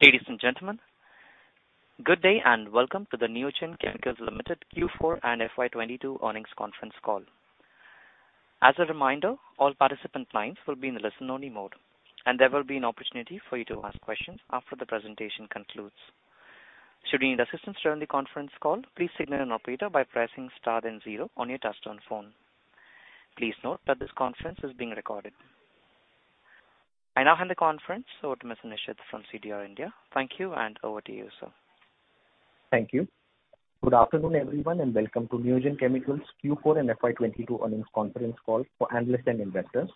Ladies and gentlemen, good day and welcome to the Neogen Chemicals Limited Q4 and FY 2022 earnings conference call. As a reminder, all participant lines will be in listen-only mode, and there will be an opportunity for you to ask questions after the presentation concludes. Should you need assistance during the conference call, please signal an operator by pressing star then zero on your touch-tone phone. Please note that this conference is being recorded. I now hand the conference over to Mr. Nishid from CDR India. Thank you, and over to you, sir. Thank you. Good afternoon, everyone, and welcome to Neogen Chemicals Q4 and FY 2022 earnings conference call for analysts and investors.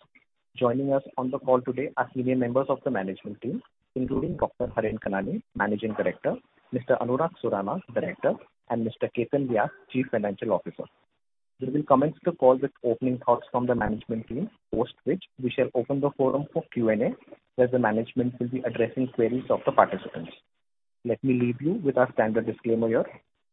Joining us on the call today are senior members of the management team, including Dr. Harin Kanani, Managing Director, Mr. Anurag Surana, Director, and Mr. Ketan Vyas, Chief Financial Officer. We will commence the call with opening thoughts from the management team, post which we shall open the forum for Q&A, where the management will be addressing queries of the participants. Let me leave you with our standard disclaimer here.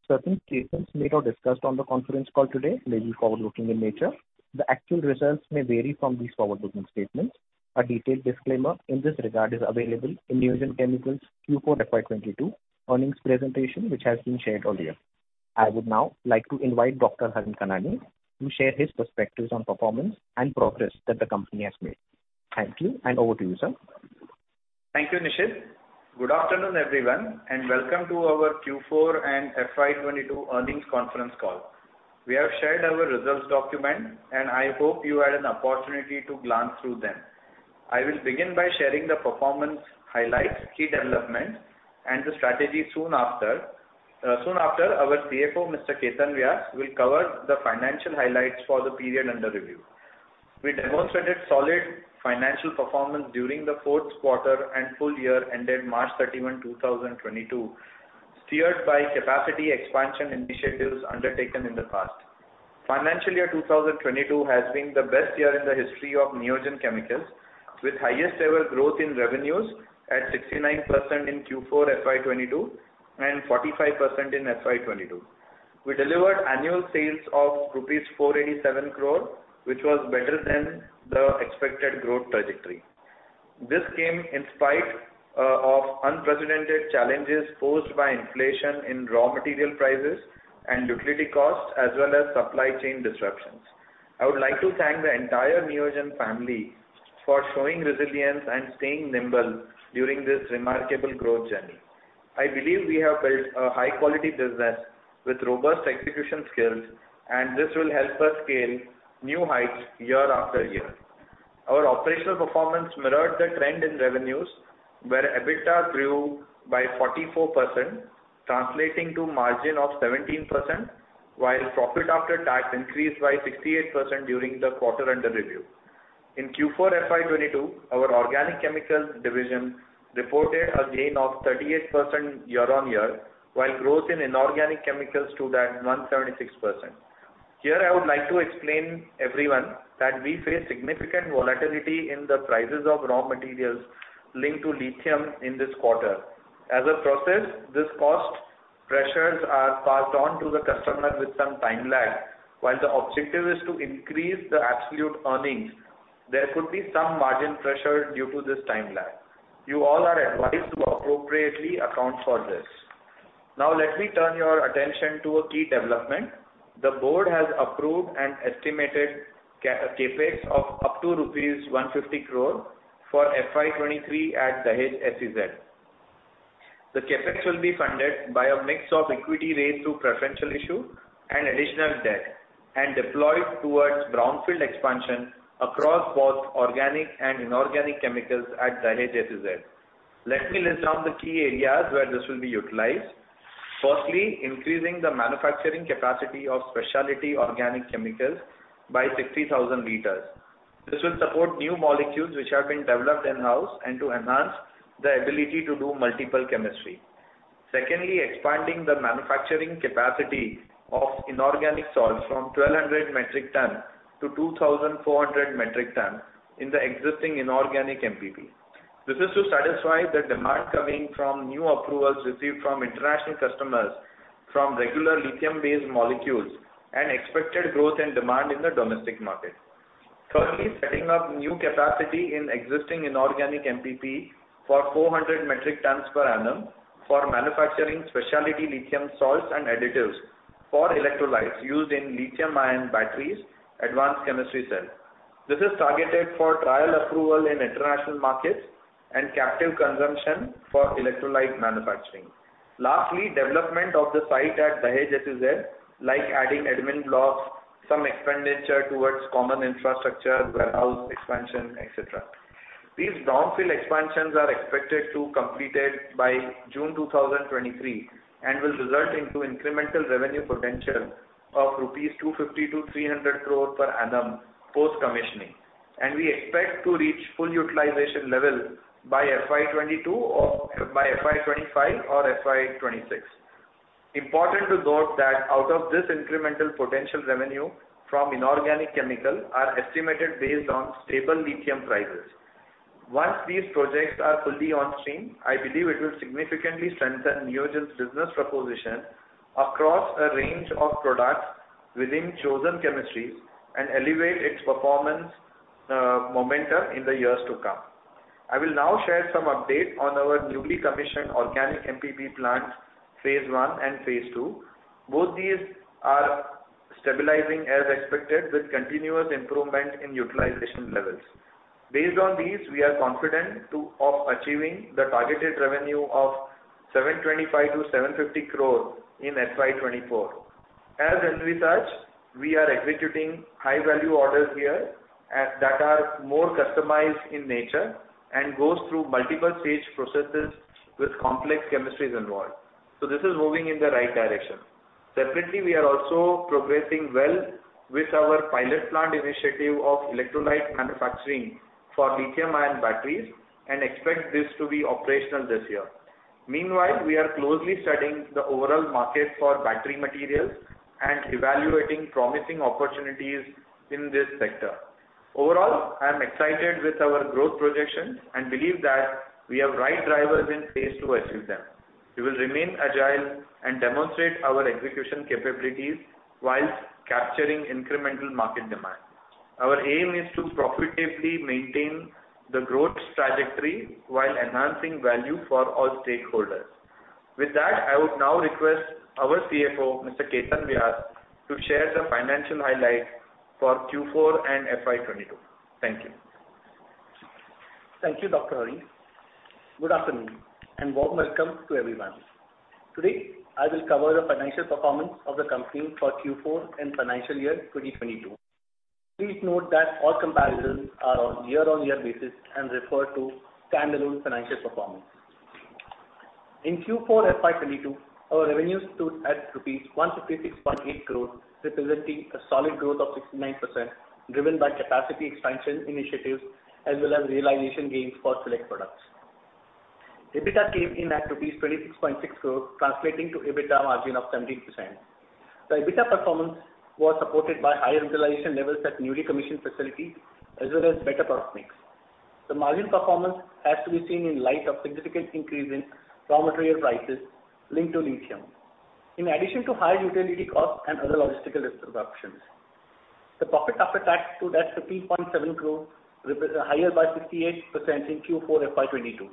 Certain statements made or discussed on the conference call today may be forward-looking in nature. The actual results may vary from these forward-looking statements. A detailed disclaimer in this regard is available in Neogen Chemicals' Q4 FY 2022 earnings presentation, which has been shared earlier. I would now like to invite Dr. Harin Kanani to share his perspectives on performance and progress that the company has made. Thank you, and over to you, sir. Thank you, Nishid. Good afternoon, everyone, and welcome to our Q4 and FY 2022 earnings conference call. We have shared our results document, and I hope you had an opportunity to glance through them. I will begin by sharing the performance highlights, key developments, and the strategy soon after. Soon after, our CFO, Mr. Ketan Vyas, will cover the financial highlights for the period under review. We demonstrated solid financial performance during the Q4 and full-year ended March 31, 2022, steered by capacity expansion initiatives undertaken in the past. Financial year 2022 has been the best year in the history of Neogen Chemicals, with highest ever growth in revenues at 69% in Q4 FY 2022 and 45% in FY 2022. We delivered annual sales of rupees 487 crore, which was better than the expected growth trajectory. This came in spite of unprecedented challenges posed by inflation in raw material prices and utility costs, as well as supply chain disruptions. I would like to thank the entire Neogen family for showing resilience and staying nimble during this remarkable growth journey. I believe we have built a high-quality business with robust execution skills, and this will help us scale new heights year-after-year. Our operational performance mirrored the trend in revenues, where EBITDA grew by 44%, translating to margin of 17%, while profit after tax increased by 68% during the quarter under review. In Q4 FY 2022, our Organic Chemicals division reported a gain of 38% year-on-year, while growth in Inorganic Chemicals stood at 176%. Here, I would like to explain everyone that we face significant volatility in the prices of raw materials linked to lithium in this quarter. As a process, this cost pressures are passed on to the customer with some time lag. While the objective is to increase the absolute earnings, there could be some margin pressure due to this time lag. You all are advised to appropriately account for this. Now let me turn your attention to a key development. The board has approved an estimated CapEx of up to rupees 150 crore for FY 2023 at Dahej SEZ. The CapEx will be funded by a mix of equity raised through preferential issue and additional debt and deployed towards brownfield expansion across both Organic and Inorganic Chemicals at Dahej SEZ. Let me list down the key areas where this will be utilized. Firstly, increasing the manufacturing capacity of specialty Organic Chemicals by 60,000 L. This will support new molecules which have been developed in-house and to enhance the ability to do multiple chemistry. Secondly, expanding the manufacturing capacity of Inorganic salts from 1,200 MT to 2,400 MT in the existing Inorganic MPP. This is to satisfy the demand coming from new approvals received from international customers from regular lithium-based molecules and expected growth and demand in the domestic market. Thirdly, setting up new capacity in existing Inorganic MPP for 400 MTPA for manufacturing specialty lithium salts and additives for electrolytes used in lithium-ion batteries Advanced Chemistry Cell. This is targeted for trial approval in international markets and captive consumption for electrolyte manufacturing. Lastly, development of the site at Dahej SEZ, like adding admin blocks, some expenditure towards common infrastructure, warehouse expansion, et cetera. These brownfield expansions are expected to be completed by June 2023 and will result into incremental revenue potential of 250 crore-300 crore rupees per annum post-commissioning. We expect to reach full utilization level by FY 2022 or by FY 2025 or FY 2026. Important to note that out of this incremental potential revenue from Inorganic Chemical are estimated based on stable lithium prices. Once these projects are fully on stream, I believe it will significantly strengthen Neogen's business proposition across a range of products within chosen chemistries and elevate its performance, momentum in the years to come. I will now share some updates on our newly commissioned Organic MPP plant, phase one and phase two. Both these are stabilizing as expected with continuous improvement in utilization levels. Based on these, we are confident of achieving the targeted revenue of 725 crore-750 crore in FY 2024. In R&D, we are executing high value orders that are more customized in nature and goes through multiple stage processes with complex chemistries involved. This is moving in the right direction. Separately, we are also progressing well with our pilot plant initiative of electrolyte manufacturing for lithium-ion batteries and expect this to be operational this year. Meanwhile, we are closely studying the overall market for battery materials and evaluating promising opportunities in this sector. Overall, I am excited with our growth projections and believe that we have right drivers in place to achieve them. We will remain agile and demonstrate our execution capabilities while capturing incremental market demand. Our aim is to profitably maintain the growth trajectory while enhancing value for all stakeholders. With that, I would now request our CFO, Mr. Ketan Vyas, to share the financial highlights for Q4 and FY 2022. Thank you. Thank you, Dr. Harin. Good afternoon and warm welcome to everyone. Today, I will cover the financial performance of the company for Q4 and financial year 2022. Please note that all comparisons are on year-over-year basis and refer to standalone financial performance. In Q4 FY 2022, our revenues stood at INR 156.8 crore, representing a solid growth of 69%, driven by capacity expansion initiatives as well as realization gains for select products. EBITDA came in at 26.6 crore, translating to EBITDA margin of 17%. The EBITDA performance was supported by higher utilization levels at newly commissioned facilities as well as better product mix. The margin performance has to be seen in light of significant increase in raw material prices linked to lithium, in addition to higher utility costs and other logistical disruptions. The profit after tax stood at 15.7 crore, higher by 58% in Q4 FY 2022.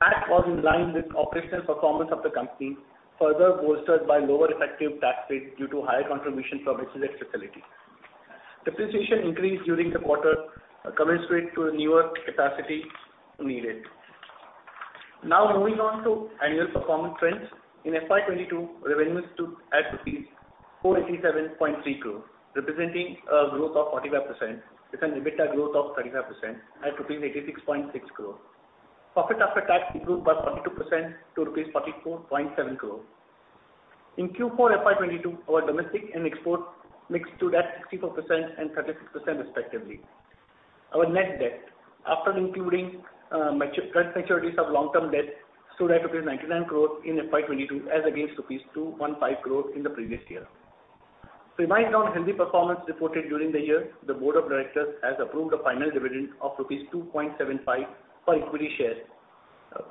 Tax was in line with operational performance of the company, further bolstered by lower effective tax rate due to higher contribution from SEZ facility. Depreciation increased during the quarter, commensurate to newer capacity needed. Now moving on to annual performance trends. In FY 2022, revenues stood at rupees 487.3 crore, representing a growth of 45% with an EBITDA growth of 35% at rupees 86.6 crore. Profit after tax improved by 42% to rupees 44.7 crore. In Q4 FY 2022, our domestic and export mix stood at 64% and 36% respectively. Our net debt, after including, current maturities of long-term debt, stood at rupees 99 crore in FY 2022 as against rupees 215 crore in the previous year. To remind on healthy performance reported during the year, the board of directors has approved a final dividend of rupees 2.75 per equity share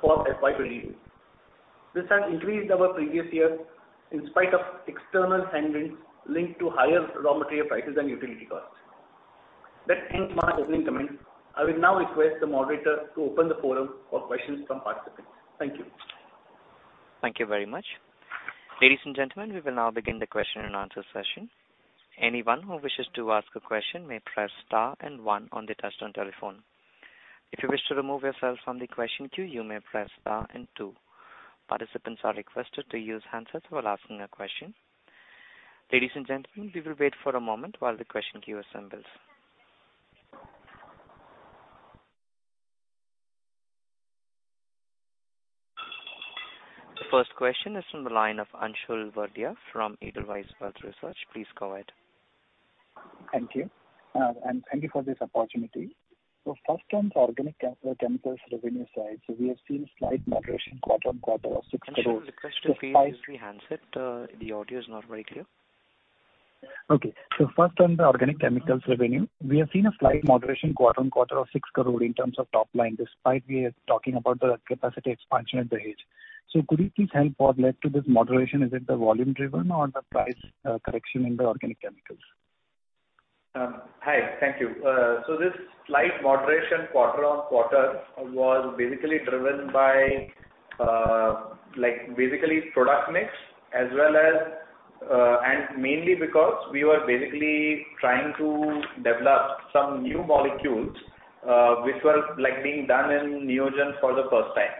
for FY 2022. This has increased over our previous year in spite of external headwinds linked to higher raw material prices and utility costs. That ends my opening comments. I will now request the moderator to open the forum for questions from participants. Thank you. Thank you very much. Ladies and gentlemen, we will now begin the question-and-answer session. Anyone who wishes to ask a question may press star and one on the touch-tone telephone. If you wish to remove yourself from the question queue, you may press star and two. Participants are requested to use handsets while asking a question. Ladies and gentlemen, we will wait for a moment while the question queue assembles. The first question is from the line of Anshul Verdia from Edelweiss Wealth Research. Please go ahead. Thank you. Thank you for this opportunity. First on the Organic Chemicals revenue side, we have seen slight moderation quarter-on-quarter of 6 crore. Anshul, request you to please use the handset. The audio is not very clear. Okay. First on the Organic Chemicals revenue, we have seen a slight moderation quarter-on-quarter of 6 crore in terms of top line, despite we are talking about the capacity expansion at Dahej. Could you please help what led to this moderation? Is it the volume driven or the price correction in the Organic Chemicals? Hi, thank you. This slight moderation quarter-on-quarter was basically driven by, like, basically product mix as well as, and mainly because we were basically trying to develop some new molecules, which were, like, being done in Neogen for the first time.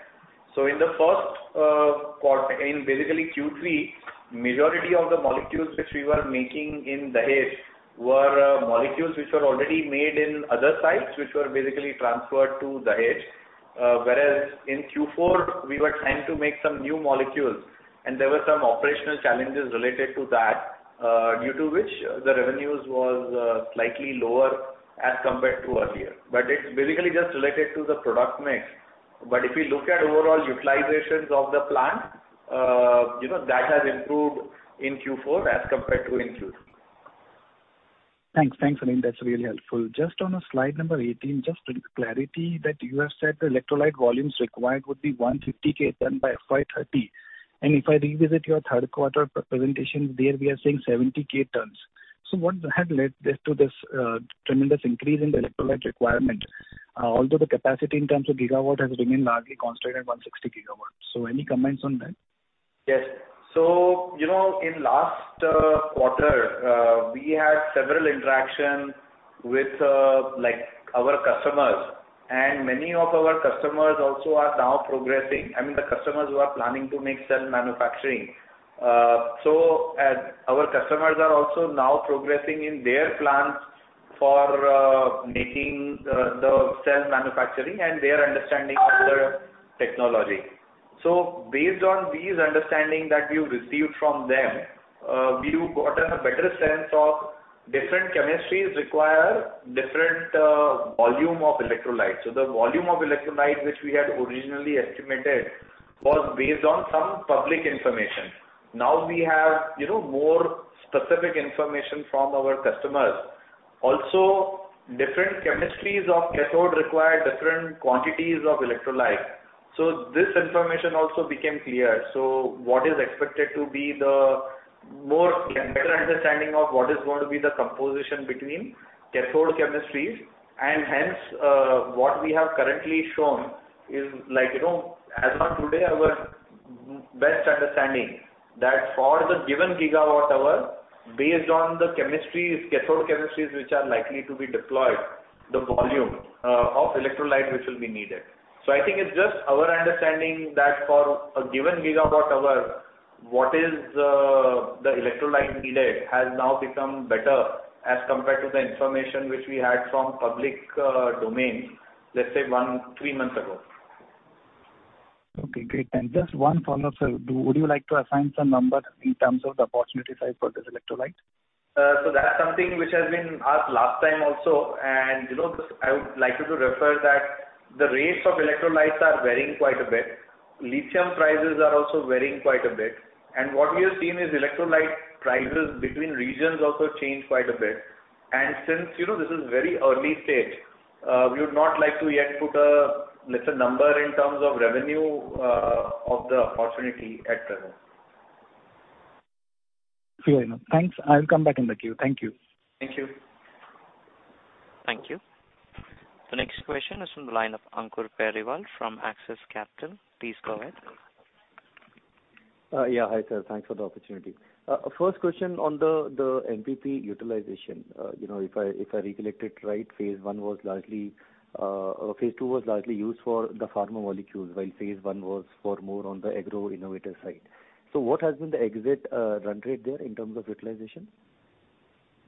In basically Q3, majority of the molecules which we were making in Dahej were, molecules which were already made in other sites which were basically transferred to Dahej. Whereas in Q4, we were trying to make some new molecules and there were some operational challenges related to that, due to which the revenues was, slightly lower as compared to earlier. It's basically just related to the product mix. If you look at overall utilizations of the plant, you know, that has improved in Q4 as compared to in Q3. Thanks. Thanks, Anil. That's really helpful. Just on slide number 18, just for clarity that you have said the electrolyte volumes required would be 150,000 tons by FY 2030. If I revisit your Q3 presentation, there we are saying 70,000 tons. What had led to this tremendous increase in the electrolyte requirement, although the capacity in terms of gigawatt has remained largely constant at 160 GW. Any comments on that? Yes. You know, in last quarter, we had several interactions with, like, our customers, and many of our customers also are now progressing. I mean, the customers who are planning to make cell manufacturing. As our customers are also now progressing in their plans for making the cell manufacturing and their understanding of the technology. Based on this understanding that we've received from them, we've gotten a better sense of different chemistries require different volume of electrolytes. The volume of electrolytes which we had originally estimated was based on some public information. Now we have, you know, more specific information from our customers. Also, different chemistries of cathode require different quantities of electrolyte. This information also became clear. What is expected to be the more better understanding of what is going to be the composition between cathode chemistries and hence, what we have currently shown is like, you know, as of today, our best understanding that for the given gigawatt hour, based on the chemistries, cathode chemistries, which are likely to be deployed, the volume, of electrolyte, which will be needed. I think it's just our understanding that for a given gigawatt hour, what is, the electrolyte needed has now become better as compared to the information which we had from public, domain, let's say one to three months ago. Okay, great. Just one follow-up, sir. Would you like to assign some number in terms of the opportunity size for this electrolyte? That's something which has been asked last time also. You know, I would like you to refer that the rates of electrolytes are varying quite a bit. Lithium prices are also varying quite a bit. What we are seeing is electrolyte prices between regions also change quite a bit. Since, you know, this is very early stage, we would not like to yet put a, let's say, number in terms of revenue, of the opportunity at present. Fair enough. Thanks. I'll come back in the queue. Thank you. Thank you. Thank you. The next question is from the line of Ankur Periwal from Axis Capital. Please go ahead. Yeah. Hi, sir. Thanks for the opportunity. First question on the MPP utilization. You know, if I recollect it right, phase one was largely or phase two was largely used for the pharma molecules, while phase I was for more on the agro innovative side. What has been the exit run rate there in terms of utilization?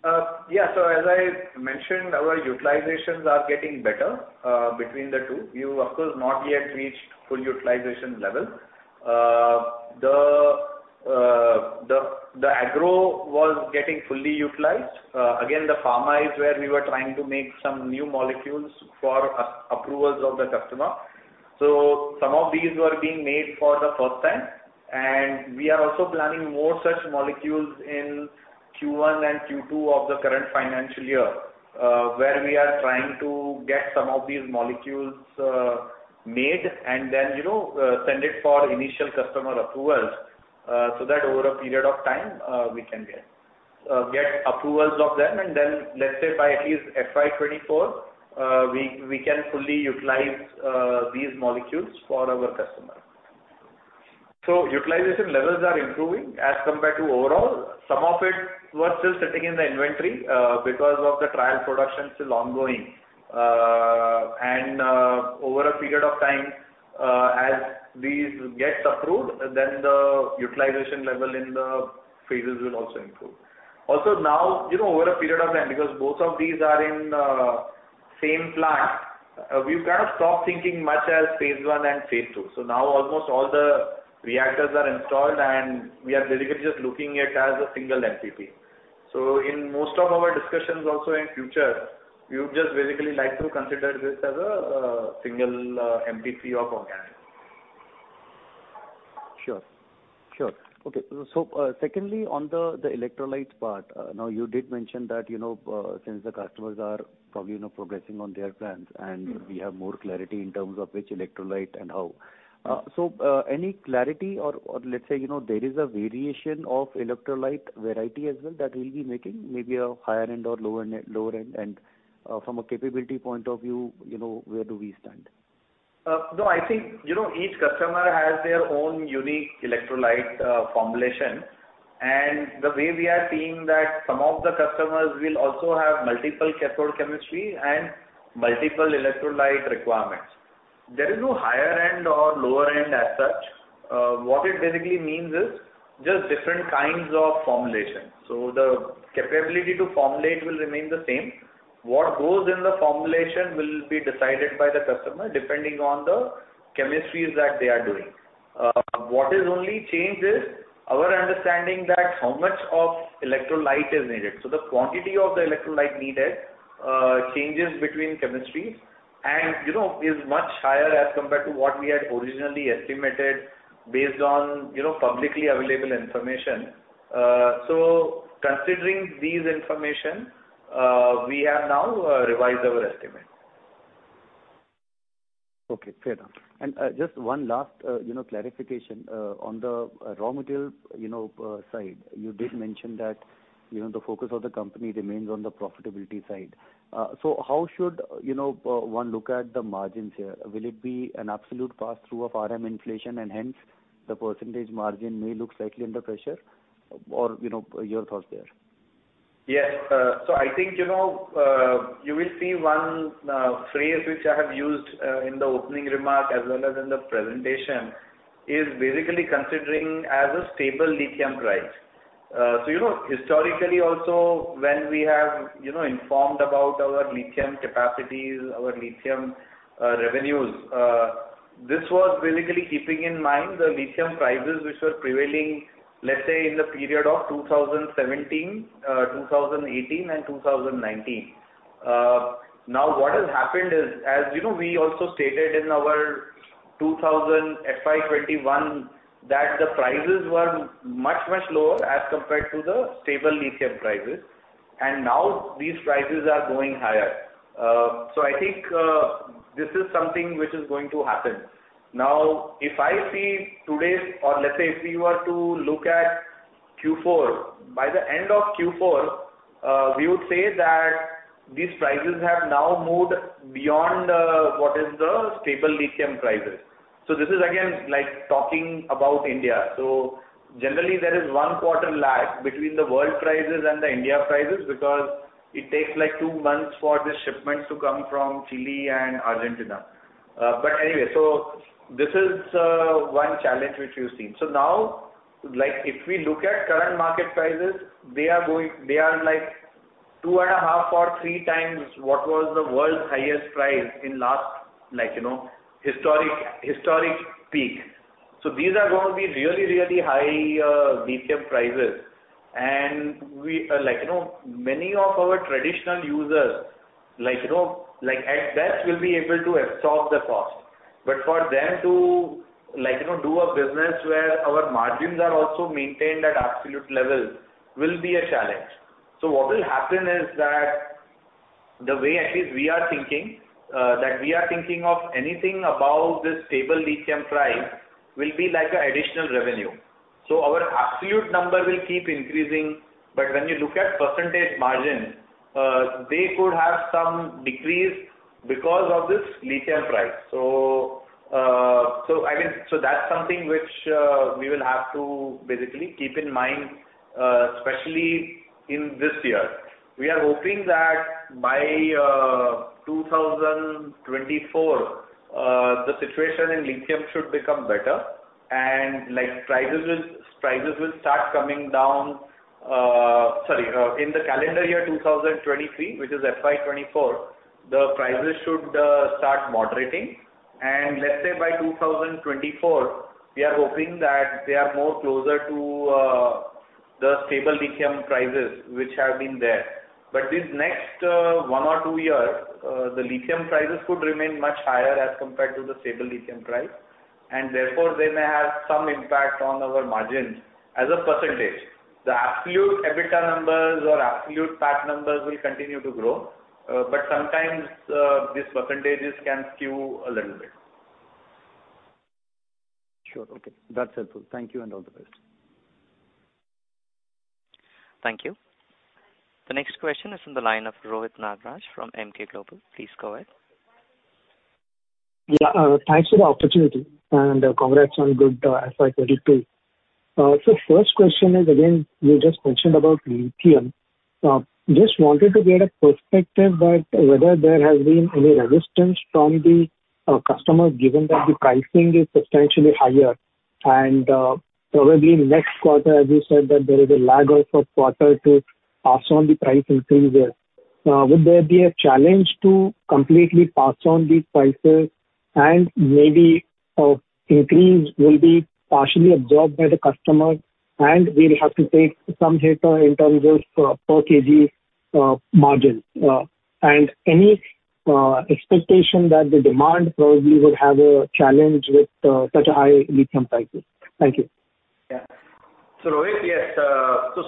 Yeah. As I mentioned, our utilizations are getting better between the two. We of course not yet reached full utilization level. The agro was getting fully utilized. Again, the pharma is where we were trying to make some new molecules for approvals of the customer. Some of these were being made for the first time, and we are also planning more such molecules in Q1 and Q2 of the current financial year, where we are trying to get some of these molecules made and then, you know, send it for initial customer approvals, so that over a period of time, we can get approvals of them and then, let's say by at least FY 2024, we can fully utilize these molecules for our customers. Utilization levels are improving as compared to overall. Some of it was still sitting in the inventory, because of the trial production still ongoing. Over a period of time, as these get approved, then the utilization level in the phases will also improve. Also now, you know, over a period of time, because both of these are in the same plant, we've kind of stopped thinking much as phase one and phase two. Now almost all the reactors are installed, and we are basically just looking at it as a single MPP. In most of our discussions also in the future, we would just basically like to consider this as a single MPP of Organic. Sure. Okay. Secondly, on the electrolytes part, now you did mention that, you know, since the customers are probably, you know, progressing on their plans and we have more clarity in terms of which electrolyte and how. Any clarity or let's say, you know, there is a variation of electrolyte variety as well that we'll be making maybe a higher end or lower end. From a capability point of view, you know, where do we stand? No, I think, you know, each customer has their own unique electrolyte formulation. The way we are seeing that some of the customers will also have multiple cathode chemistry and multiple electrolyte requirements. There is no higher end or lower end as such. What it basically means is just different kinds of formulation. The capability to formulate will remain the same. What goes in the formulation will be decided by the customer, depending on the chemistries that they are doing. What is only changed is our understanding that how much of electrolyte is needed. The quantity of the electrolyte needed changes between chemistries and, you know, is much higher as compared to what we had originally estimated based on, you know, publicly available information. Considering this information, we have now revised our estimate. Okay, fair enough. Just one last, you know, clarification on the raw material, you know, side. You did mention that, you know, the focus of the company remains on the profitability side. How should, you know, one look at the margins here? Will it be an absolute pass-through of RM inflation and hence the percentage margin may look slightly under pressure? Or, you know, your thoughts there? Yes. I think, you know, you will see one phrase which I have used in the opening remark as well as in the presentation, is basically considering as a stable lithium price. You know, historically also, when we have, you know, informed about our lithium capacities, our lithium revenues, this was basically keeping in mind the lithium prices which were prevailing, let's say, in the period of 2017, 2018 and 2019. Now, what has happened is, as you know, we also stated in our FY 2021 that the prices were much, much lower as compared to the stable lithium prices. Now these prices are going higher. I think, this is something which is going to happen. Now, if I see today's or let's say if you were to look at Q4. By the end of Q4, we would say that these prices have now moved beyond what is the stable lithium prices. This is again like talking about India. Generally, there is one quarter lag between the world prices and the India prices because it takes like two months for the shipments to come from Chile and Argentina. This is one challenge which you've seen. Now, like if we look at current market prices, they are like 2.5x or 3x what was the world's highest price in last like, you know, historic peak. These are going to be really high lithium prices. We are like, you know, many of our traditional users like, you know, like at best will be able to absorb the cost. But for them to like, you know, do a business where our margins are also maintained at absolute levels will be a challenge. What will happen is that the way at least we are thinking of anything above this stable lithium price will be like an additional revenue. Our absolute number will keep increasing. But when you look at percentage margin, they could have some decrease because of this lithium price. I guess that's something which we will have to basically keep in mind, especially in this year. We are hoping that by 2024, the situation in lithium should become better and prices will start coming down. In the calendar year 2023, which is FY 2024, the prices should start moderating. Let's say by 2024, we are hoping that they are more closer to the stable lithium prices which have been there. This next one or two years, the lithium prices could remain much higher as compared to the stable lithium price, and therefore they may have some impact on our margins as a percentage. The absolute EBITDA numbers or absolute PAT numbers will continue to grow, but sometimes these percentages can skew a little bit. Sure. Okay, that's helpful. Thank you and all the best. Thank you. The next question is from the line of Rohit Nagraj from Emkay Global. Please go ahead. Yeah, thanks for the opportunity and congrats on good FY 2022. First question is again, you just mentioned about lithium. Just wanted to get a perspective that whether there has been any resistance from the customers given that the pricing is substantially higher and probably next quarter, as you said, that there is a lag of a quarter to pass on the price increase there. Would there be a challenge to completely pass on these prices, and maybe increase will be partially absorbed by the customer, and we'll have to take some hit in terms of per kg margin? And any expectation that the demand probably would have a challenge with such high lithium prices? Thank you. Yeah. Rohit, yes.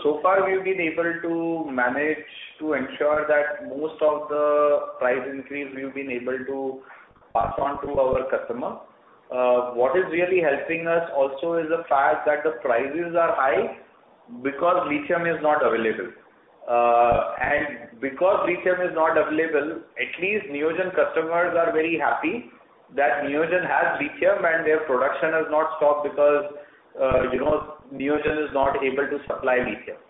So far, we've been able to manage to ensure that most of the price increase we've been able to pass on to our customer. What is really helping us also is the fact that the prices are high because lithium is not available. Because lithium is not available, at least Neogen customers are very happy that Neogen has lithium and their production has not stopped because, you know, Neogen is not able to supply lithium.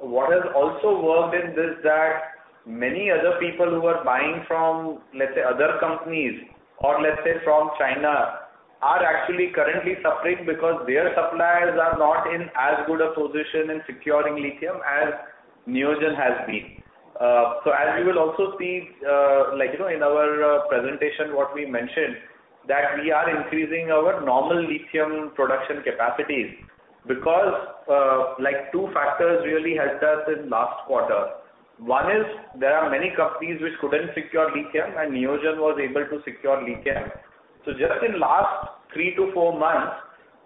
What has also worked in this is that many other people who are buying from, let's say, other companies or let's say from China, are actually currently suffering because their suppliers are not in as good a position in securing lithium as Neogen has been. As you will also see, like, you know, in our presentation what we mentioned, that we are increasing our normal lithium production capacities because, like two factors really helped us in last quarter. One is there are many companies which couldn't secure lithium, and Neogen was able to secure lithium. Just in last three to four months,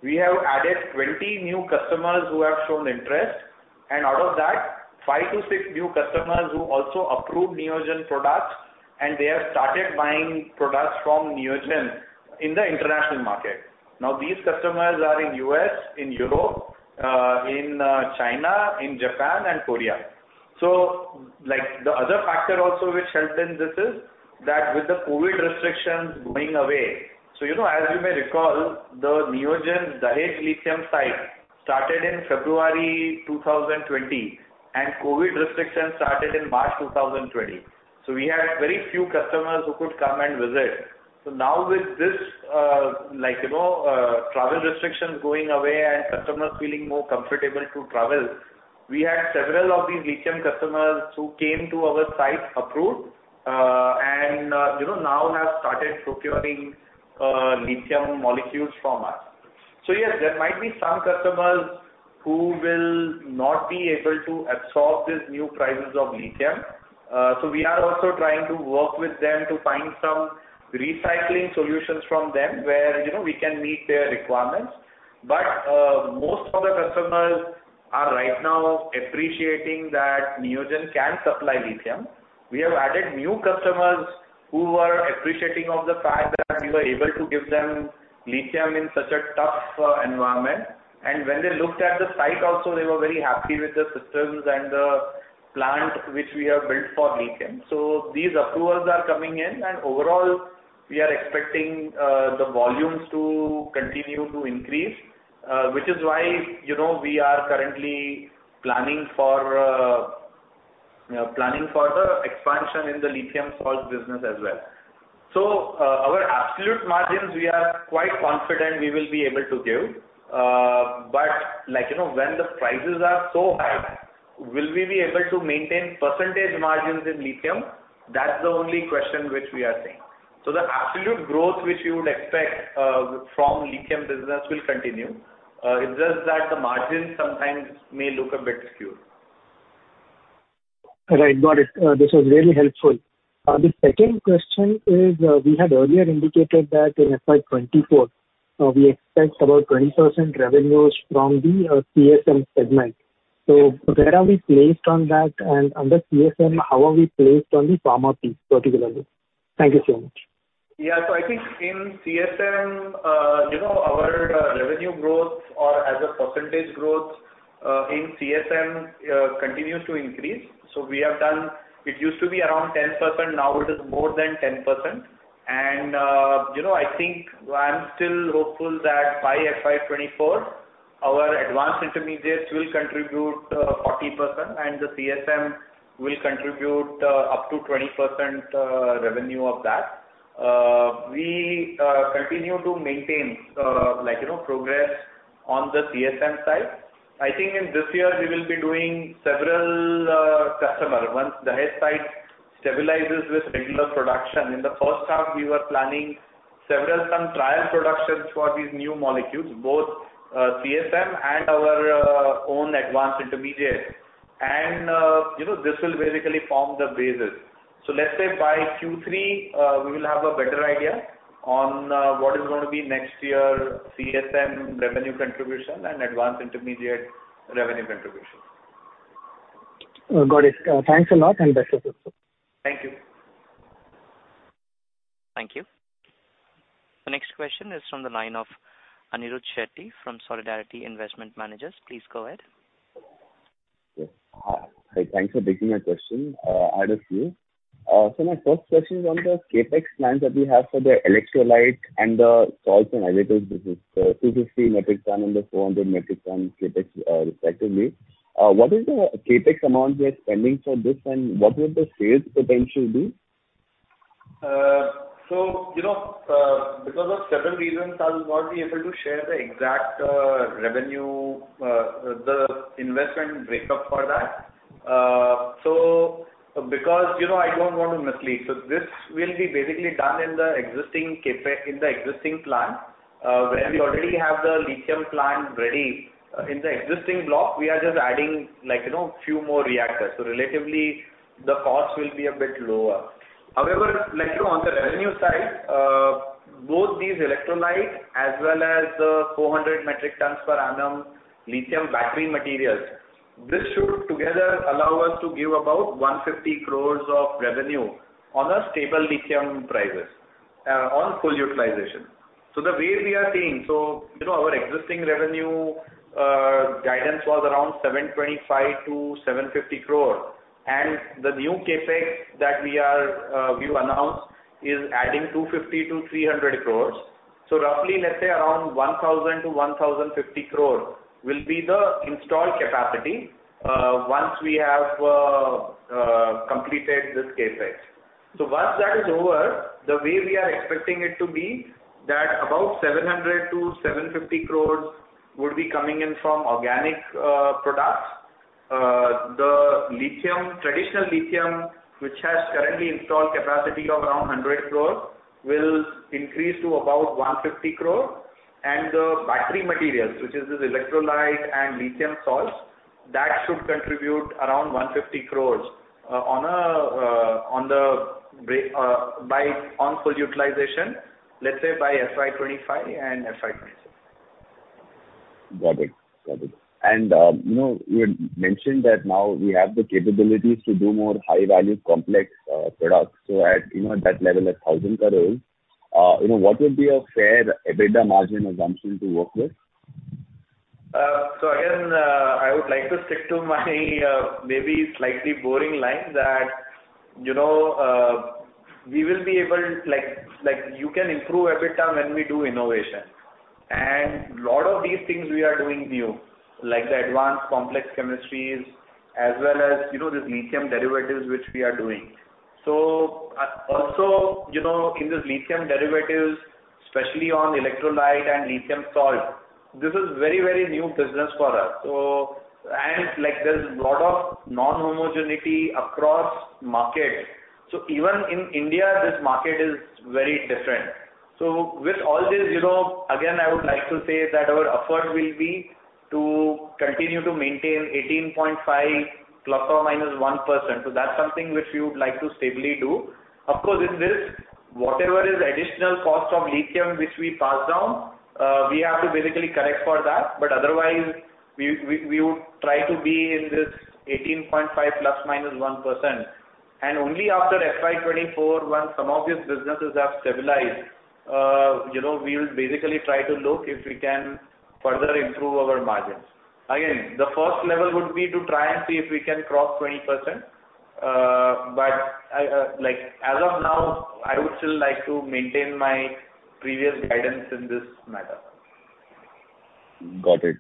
we have added 20 new customers who have shown interest, and out of that, five to six new customers who also approved Neogen products, and they have started buying products from Neogen in the international market. Now, these customers are in U.S., in Europe, in China, in Japan and Korea. Like, the other factor also which helped in this is, that with the COVID restrictions going away. You know, as you may recall, the Neogen Dahej lithium site started in February 2020, and COVID restrictions started in March 2020. We had very few customers who could come and visit. Now with this, like, you know, travel restrictions going away and customers feeling more comfortable to travel, we had several of these lithium customers who came to our site approved, and, you know, now have started procuring, lithium molecules from us. Yes, there might be some customers who will not be able to absorb these new prices of lithium. We are also trying to work with them to find some recycling solutions from them where, you know, we can meet their requirements. But, most of the customers are right now appreciating that Neogen can supply lithium. We have added new customers who are appreciative of the fact that we were able to give them lithium in such a tough environment. When they looked at the site also, they were very happy with the systems and the plant which we have built for lithium. These approvals are coming in and overall, we are expecting the volumes to continue to increase, which is why, you know, we are currently planning for the expansion in the lithium salt business as well. Our absolute margins, we are quite confident we will be able to give. Like, you know, when the prices are so high, will we be able to maintain percentage margins in lithium? That's the only question which we are seeing. The absolute growth which you would expect from lithium business will continue. It's just that the margin sometimes may look a bit skewed. Right. Got it. This was really helpful. The second question is, we had earlier indicated that in FY 2024, we expect about 20% revenues from the CSM segment. Where are we placed on that? Under CSM, how are we placed on the pharma piece particularly? Thank you so much. Yeah. I think in CSM, you know, our revenue growth or as a percentage growth in CSM continues to increase. It used to be around 10%, now it is more than 10%. You know, I think I'm still hopeful that by FY 2024, our advanced intermediates will contribute 40% and the CSM will contribute up to 20% revenue of that. We continue to maintain like, you know, progress on the CSM side. I think in this year we will be doing several customers. Once Dahej site stabilizes with regular production. In the first half we were planning several some trial productions for these new molecules, both CSM and our own advanced intermediates. You know, this will basically form the basis. Let's say by Q3, we will have a better idea on what is going to be next year CSM revenue contribution and advanced intermediate revenue contribution. Got it. Thanks a lot and best of luck, sir. Thank you. Thank you. The next question is from the line of Anirudh Shetty from Solidarity Investment Managers. Please go ahead. Yes. Hi. Thanks for taking my question. I had a few. My first question is on the CapEx plans that we have for the electrolyte and the salts and additives business, 250 MT and the 400 MT CapEx, respectively. What is the CapEx amount we are spending for this, and what would the sales potential be? You know, because of several reasons, I'll not be able to share the exact revenue, the investment breakup for that. You know, I don't want to mislead. This will be basically done in the existing plant, where we already have the lithium plant ready. In the existing block, we are just adding, like, you know, few more reactors. Relatively the cost will be a bit lower. However, like, you know, on the revenue side, both these electrolytes as well as the 400 MTPA lithium battery materials, this should together allow us to give about 150 crore of revenue on a stable lithium prices, on full utilization. The way we are seeing, you know, our existing revenue guidance was around 725 crore-750 crore. The new CapEx that we've announced is adding 250 crore-300 crore. Roughly, let's say around 1,000 crore-1,050 crore will be the installed capacity once we have completed this CapEx. Once that is over, the way we are expecting it to be that about 700 crore-750 crore would be coming in from Organic products. The lithium, traditional lithium, which has currently installed capacity of around 100 crore, will increase to about 150 crore. The battery materials, which is this electrolyte and lithium salts. That should contribute around 150 crore upon full utilization, let's say by FY 2025 and FY 2026. Got it. You know, you had mentioned that now we have the capabilities to do more high-value complex products. You know, at that level, at 1,000 crore, you know, what would be a fair EBITDA margin assumption to work with? Again, I would like to stick to my, maybe slightly boring line that, you know, we will be able to like you can improve EBITDA when we do innovation. A lot of these things we are doing new, like the advanced complex chemistries as well as, you know, this lithium derivatives which we are doing. Also, you know, in these lithium derivatives, especially on electrolyte and lithium salt, this is very, very new business for us. Like there's a lot of non-homogeneity across markets. Even in India, this market is very different. With all this, you know, again, I would like to say that our effort will be to continue to maintain 18.5 ±1%. That's something which we would like to stably do. Of course, in this, whatever is additional cost of lithium which we pass down, we have to basically correct for that. Otherwise, we would try to be in this 18.5 ±1%. Only after FY 2024, once some of these businesses have stabilized, you know, we'll basically try to look if we can further improve our margins. Again, the first level would be to try and see if we can cross 20%. I like as of now; I would still like to maintain my previous guidance in this matter. Got it.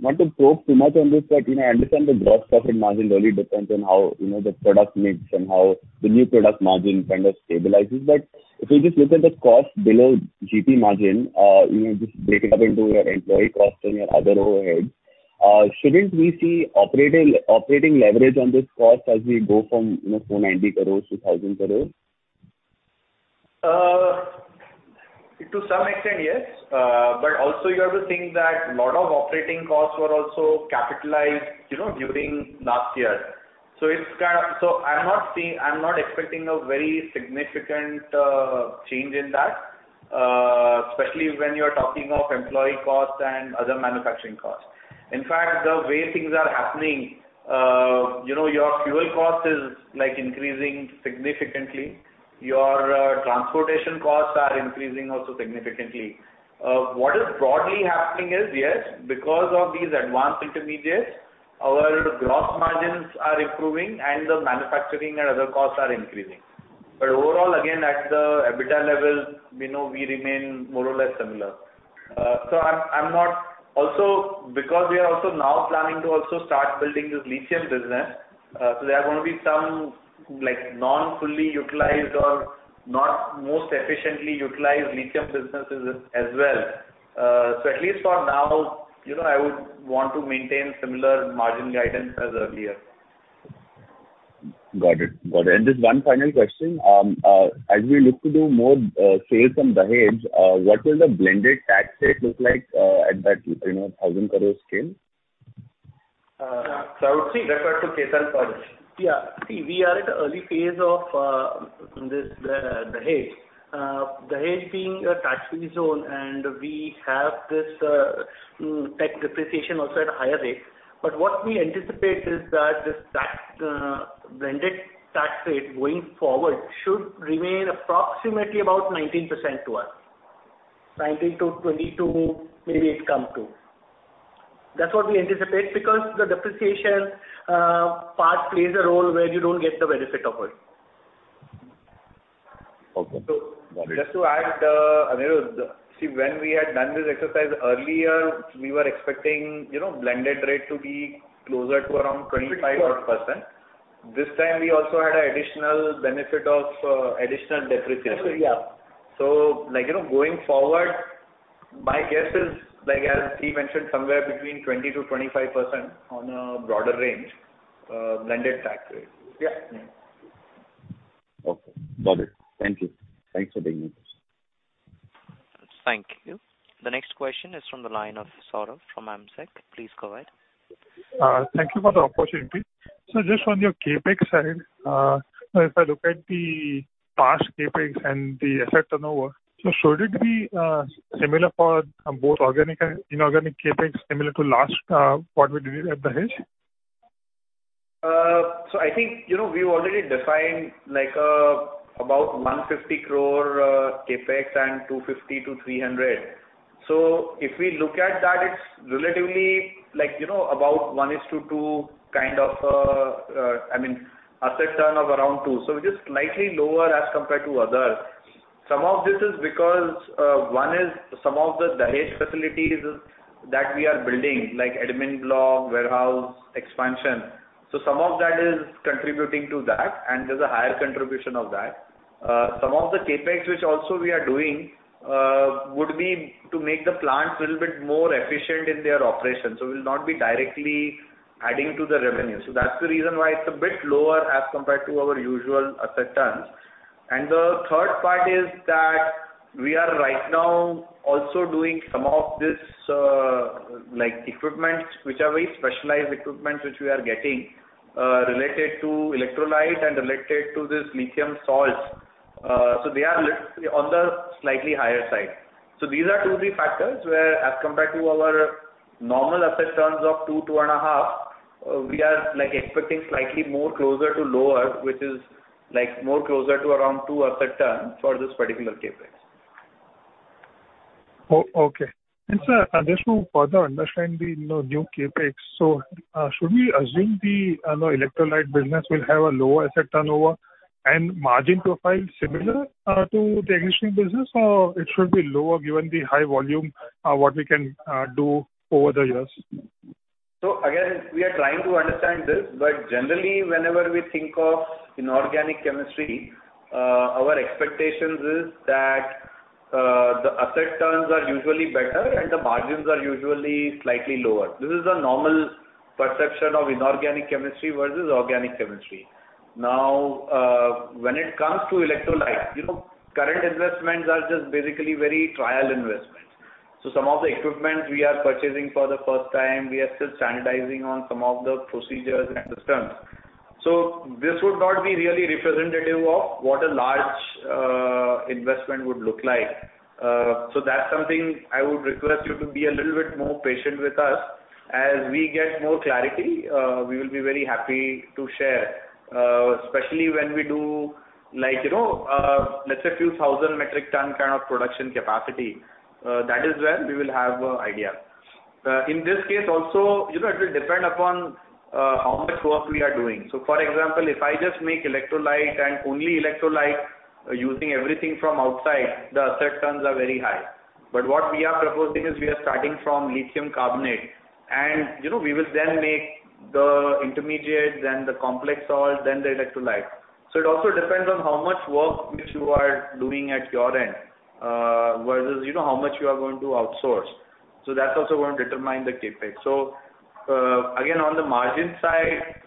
Not to probe too much on this, but you know, I understand the gross profit margin really depends on how, you know, the product mix and how the new product margin kind of stabilizes. If we just look at the cost below GP margin, you know, just break it up into your employee costs and your other overheads, shouldn't we see operating leverage on this cost as we go from, you know, 490 crore-1,000 crore? To some extent, yes. Also, you have to think that a lot of operating costs were also capitalized, you know, during last year. I'm not expecting a very significant change in that, especially when you're talking of employee costs and other manufacturing costs. In fact, the way things are happening, you know, your fuel cost is like increasing significantly. Your transportation costs are increasing also significantly. What is broadly happening is, yes, because of these advanced intermediates, our gross margins are improving and the manufacturing and other costs are increasing. Overall, again, at the EBITDA level, you know, we remain more or less similar. Also, because we are also now planning to also start building this lithium business, so there are going to be some like non-fully utilized or not most efficiently utilized lithium businesses as well. At least for now, you know, I would want to maintain similar margin guidance as earlier. Got it. Just one final question. As we look to do more sales from Dahej, what will the blended tax rate look like at that, you know, 1,000 crore scale? I would say refer to Ketan for this. Yeah. See, we are at the early phase of this Dahej. Dahej being a tax-free zone, and we have this tax depreciation also at a higher rate. What we anticipate is that this tax blended tax rate going forward should remain approximately about 19% to us. 19%-22%, maybe it come to. That's what we anticipate because the depreciation part plays a role where you don't get the benefit of it. Okay. Got it. Just to add, Anirudh, see, when we had done this exercise earlier, we were expecting, you know, blended rate to be closer to around 25 odd percent. This time we also had an additional benefit of additional depreciation. Absolutely, yeah. Like, you know, going forward, my guess is like, as he mentioned, somewhere between 20%-25% on a broader range, blended tax rate. Yeah. Okay. Got it. Thank you. Thanks for taking my questions. Thank you. The next question is from the line of Saurabh from AMSEC. Please go ahead. Thank you for the opportunity. Just on your CapEx side, if I look at the past CapEx and the asset turnover, should it be similar for both Organic and Inorganic CapEx similar to last, what we did it at Dahej? I think, you know, we've already defined like, about 150 crore CapEx and 250-300. If we look at that, it's relatively like, you know, about one to two kinds of, I mean, asset turn of around two. Just slightly lower as compared to others. Some of this is because, one is some of the Dahej facilities that we are building, like admin block, warehouse expansion. Some of that is contributing to that, and there's a higher contribution of that. Some of the CapEx which also we are doing, would be to make the plants a little bit more efficient in their operations. We'll not be directly adding to the revenue. That's the reason why it's a bit lower as compared to our usual asset turns. The third part is that we are right now also doing some of this, like, equipment, which are very specialized equipment which we are getting, related to electrolyte and related to this lithium salts. So, they are on the slightly higher side. These are two to three factors whereas compared to our normal asset turns of 2-2.5, we are, like, expecting slightly more closer to lower, which is, like, more closer to around two asset turn for this particular CapEx. Okay. Sir, just to further understand the, you know, new CapEx. Should we assume the, you know, electrolyte business will have a lower asset turnover and margin profile similar to the existing business, or it should be lower given the high volume, what we can do over the years? Again, we are trying to understand this, but generally, whenever we think of Inorganic chemistry, our expectations is that, the asset turns are usually better and the margins are usually slightly lower. This is a normal perception of Inorganic chemistry versus Organic chemistry. Now, when it comes to electrolytes, you know, current investments are just basically very trial investments. Some of the equipment we are purchasing for the first time, we are still standardizing on some of the procedures and systems. This would not be really representative of what a large, investment would look like. That's something I would request you to be a little bit more patient with us. As we get more clarity, we will be very happy to share, especially when we do, like, you know, let's say a few thousand metric ton kind of production capacity, that is where we will have an idea. In this case also, you know, it will depend upon how much work we are doing. For example, if I just make electrolyte and only electrolyte using everything from outside, the asset turns are very high. What we are proposing is we are starting from lithium carbonate and, you know, we will then make the intermediates, then the complex salts, then the electrolyte. It also depends on how much work which you are doing at your end, versus, you know, how much you are going to outsource. That's also going to determine the CapEx. again, on the margin side,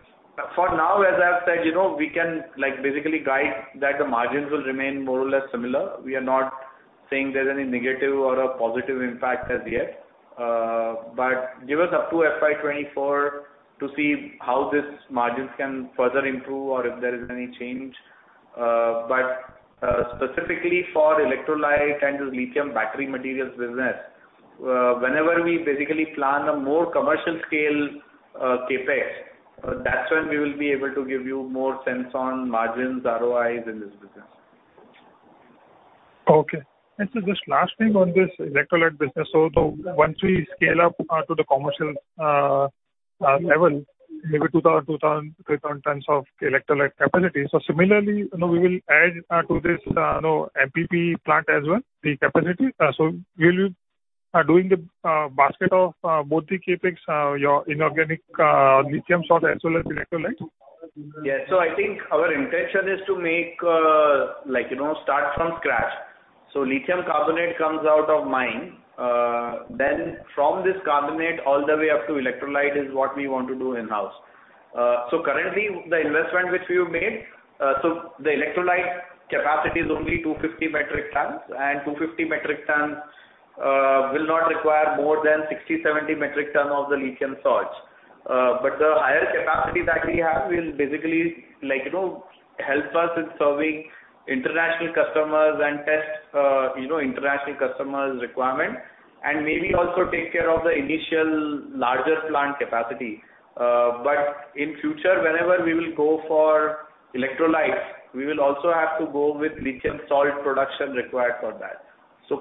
for now, as I've said, you know, we can, like, basically guide that the margins will remain more or less similar. We are not saying there's any negative or a positive impact as yet. Give us up to FY 2024 to see how this margins can further improve or if there is any change. Specifically for electrolyte and this lithium battery materials business, whenever we basically plan a more commercial scale, CapEx, that's when we will be able to give you more sense on margins, ROIs in this business. Okay. Just last thing on this electrolyte business. Once we scale up to the commercial level, maybe 2,000-3,000 tons of electrolyte capacity. Similarly, you know, we will add to this, you know, MPP plant as well, the capacity. We'll be doing the basket of both the CapEx, our Inorganic lithium salt as well as electrolyte? Yeah. I think our intention is to make, like, you know, start from scratch. Lithium carbonate comes out of mine. From this carbonate all the way up to electrolyte is what we want to do in-house. Currently the investment which we have made, the electrolyte capacity is only 250 MT, and 250 MT will not require more than 60 MT-70 MT of the lithium salts. The higher capacity that we have will basically, like, you know, help us in serving international customers and test, you know, international customers' requirement and maybe also take care of the initial larger plant capacity. In future, whenever we will go for electrolytes, we will also have to go with lithium salt production required for that.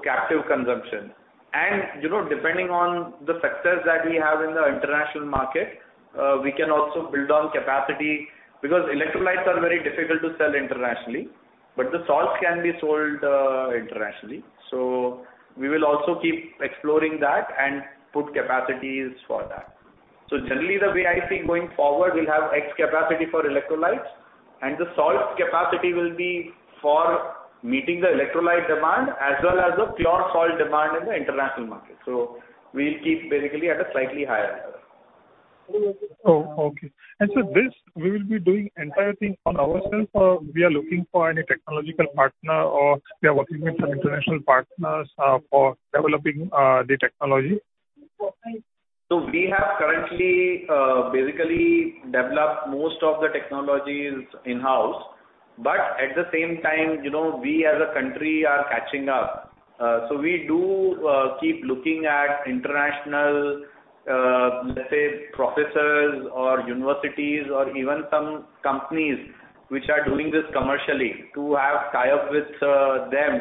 Captive consumption. You know, depending on the success that we have in the international market, we can also build on capacity because electrolytes are very difficult to sell internationally, but the salts can be sold internationally. We will also keep exploring that and put capacities for that. Generally, the way I see going forward, we'll have X capacity for electrolytes, and the salts capacity will be for meeting the electrolyte demand as well as the pure salt demand in the international market. We'll keep basically at a slightly higher level. Oh, okay. This, we will be doing entire thing on ourselves, or we are looking for any technological partner, or we are working with some international partners, for developing the technology? We have currently basically developed most of the technologies in-house, but at the same time, you know, we as a country are catching up. We do keep looking at international, let's say professors or universities or even some companies which are doing this commercially to have tie-up with them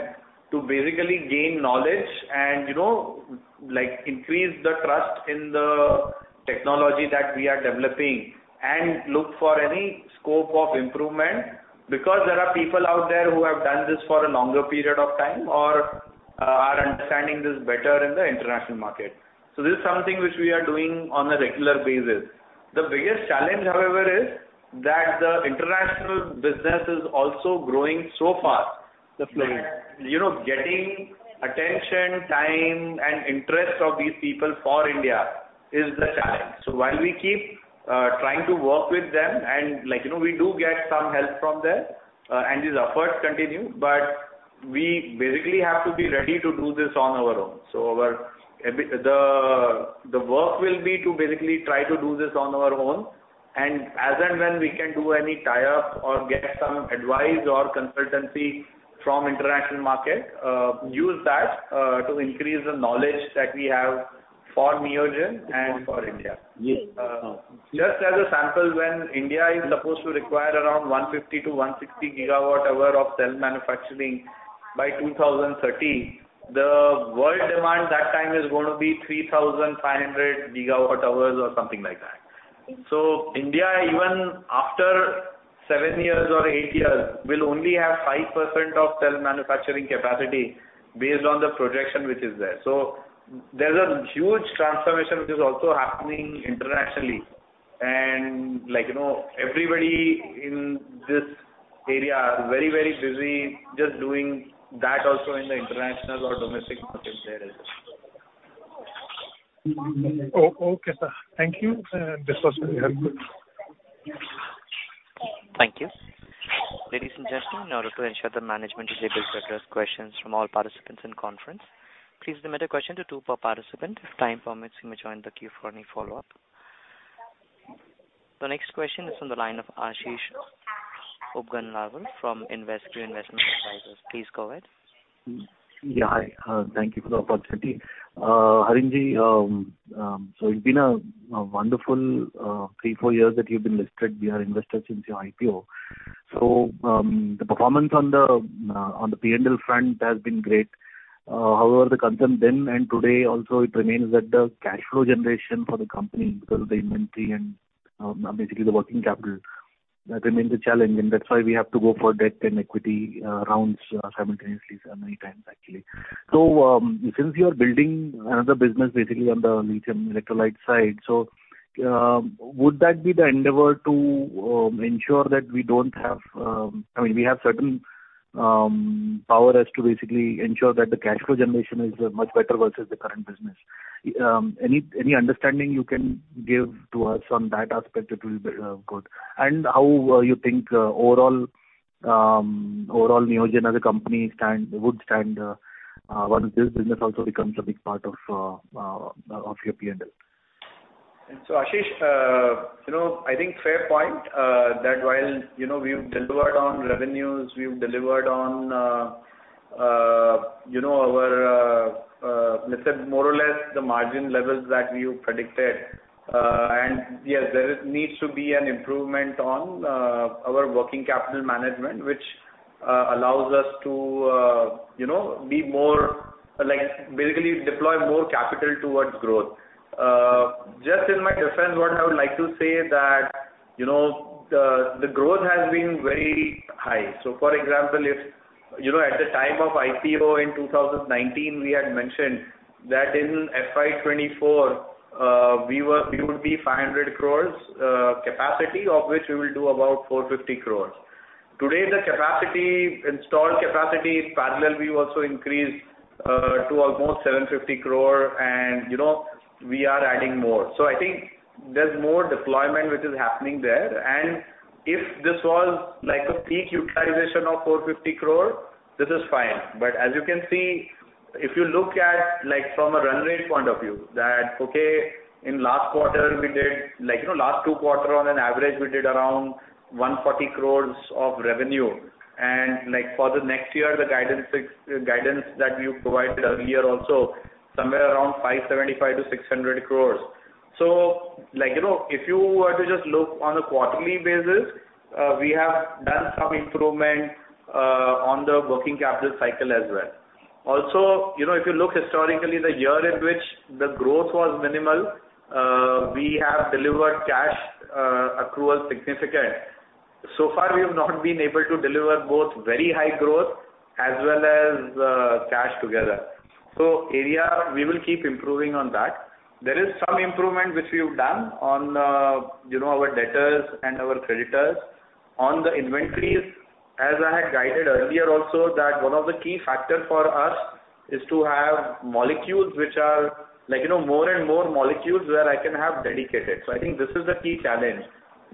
to basically gain knowledge and, you know, like, increase the trust in the technology that we are developing and look for any scope of improvement because there are people out there who have done this for a longer period of time or are understanding this better in the international market. This is something which we are doing on a regular basis. The biggest challenge, however, is that the international business is also growing so fast. The flow. You know, getting attention, time, and interest of these people for India is the challenge. While we keep trying to work with them and like, you know, we do get some help from them, and these efforts continue, but we basically have to be ready to do this on our own. The work will be to basically try to do this on our own and when we can do any tie-up or get some advice or consultancy from international market, use that to increase the knowledge that we have for Neogen and for India. Yes. Just as a sample, when India is supposed to require around 150 GWh-160 GWh of cell manufacturing by 2030, the world demand that time is going to be 3,500 GWh or something like that. India, even after seven years or eight years, will only have 5% of cell manufacturing capacity based on the projection which is there. There's a huge transformation which is also happening internationally. Like, you know, everybody in this area are very, very busy just doing that also in the international or domestic markets there is. Okay, sir. Thank you. This was very helpful. Thank you. Ladies and gentlemen, in order to ensure the management is able to address questions from all participants in conference, please limit a question to two per participant. If time permits, you may join the queue for any follow-up. The next question is from the line of Aashish Upganlawar from InvesQ Investment Advisors. Please go ahead. Hi. Thank you for the opportunity. Harin Kanani, it's been a wonderful three to four years that you've been listed. We are investors since your IPO. The performance on the P&L front has been great. However, the concern then and today also it remains that the cash flow generation for the company because of the inventory and basically the working capital, that remains a challenge. That's why we have to go for debt and equity rounds simultaneously many times actually. Since you are building another business basically on the lithium electrolyte side, would that be the endeavor to ensure that we don't have, I mean we have certain power as to basically ensure that the cash flow generation is much better versus the current business. Any understanding you can give to us on that aspect, it will be good. How you think overall Neogen as a company would stand once this business also becomes a big part of your P&L. Aashish, you know, I think fair point that while, you know, we've delivered on revenues, we've delivered on, you know, our, let's say more or less the margin levels that we predicted. Yes, there needs to be an improvement on our working capital management, which allows us to, you know, be more like basically deploy more capital towards growth. Just in my defense, what I would like to say is that, you know, the growth has been very high. For example, if, you know, at the time of IPO in 2019, we had mentioned that in FY 2024, we would be 500 crore capacity, of which we will do about 450 crore. Today, the capacity, installed capacity is 1,200. We also increased to almost 750 crore and, you know, we are adding more. I think there's more deployment which is happening there. If this was like a peak utilization of 450 crore, this is fine. As you can see, if you look at like from a run rate point of view that, okay, in last quarter we did like, you know, last two quarter on an average, we did around 140 crore of revenue. Like for the next year, the guidance that you provided earlier also somewhere around 575 crore-600 crore. Like, you know, if you were to just look on a quarterly basis, we have done some improvement on the working capital cycle as well. You know, if you look historically, the year in which the growth was minimal, we have delivered cash accrual significant. Far we've not been able to deliver both very high growth as well as, cash together. An area we will keep improving on that. There is some improvement which we've done on, you know, our debtors and our creditors. On the inventories, as I had guided earlier also, that one of the key factors for us is to have molecules which are like, you know, more and more molecules where I can have dedicated. I think this is a key challenge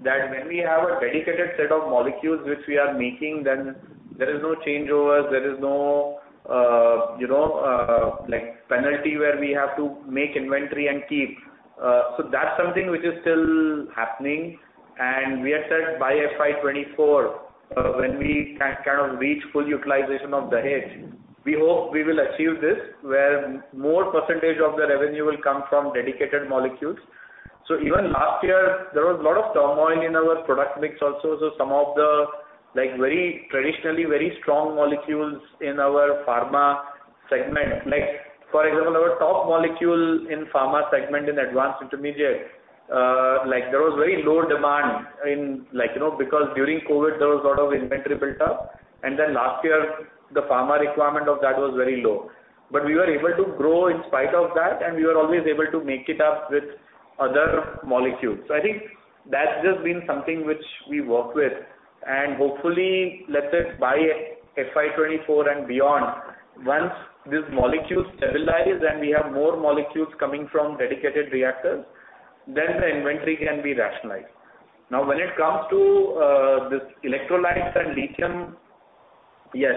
that when we have a dedicated set of molecules which we are making, then there is no changeovers, there is no, you know, like penalty where we have to make inventory and keep. That's something which is still happening. We had said by FY 2024, when we can kind of reach full utilization of Dahej, we hope we will achieve this, where more percentage of the revenue will come from dedicated molecules. Even last year there was a lot of turmoil in our product mix also. Some of the, like very traditionally, very strong molecules in our pharma segment, like for example, our top molecule in pharma segment in advanced intermediate, like there was very low demand in like, you know, because during COVID there was a lot of inventory built up. Then last year the pharma requirement of that was very low. We were able to grow in spite of that, and we were always able to make it up with other molecules. I think that's just been something which we work with and hopefully, let's say by FY 2024 and beyond. Once this molecule stabilizes and we have more molecules coming from dedicated reactors, then the inventory can be rationalized. Now, when it comes to these electrolytes and lithium, yes,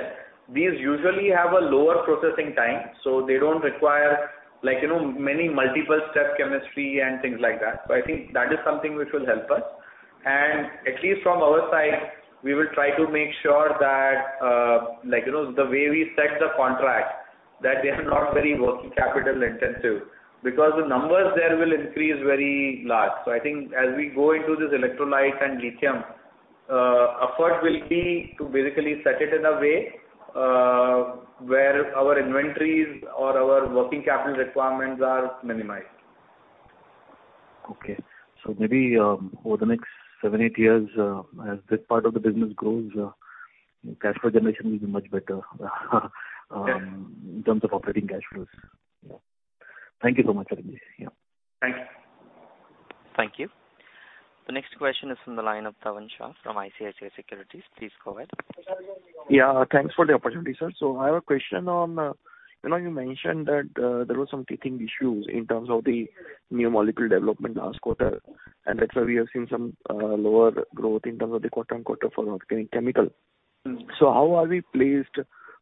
these usually have a lower processing time, so they don't require, like, you know, multi-step chemistry and things like that. I think that is something which will help us. At least from our side, we will try to make sure that, like, you know, the way we set the contract, that they are not very working capital intensive because the numbers there will increase very large. I think as we go into this electrolyte and lithium, effort will be to basically set it in a way, where our inventories or our working capital requirements are minimized. Okay. Maybe over the next seven to eight years, as this part of the business grows, cash flow generation will be much better in terms of operating cash flows. Yeah. Thank you so much, Harin Kanani. Yeah. Thanks. Thank you. The next question is from the line of Dhavan Shah from ICICI Securities. Please go ahead. Yeah, thanks for the opportunity, sir. I have a question on, you know, you mentioned that there were some teething issues in terms of the new molecule development last quarter, and that's why we have seen some lower growth in terms of the quarter-on-quarter for Organic Chemical. Mm-hmm. How are we placed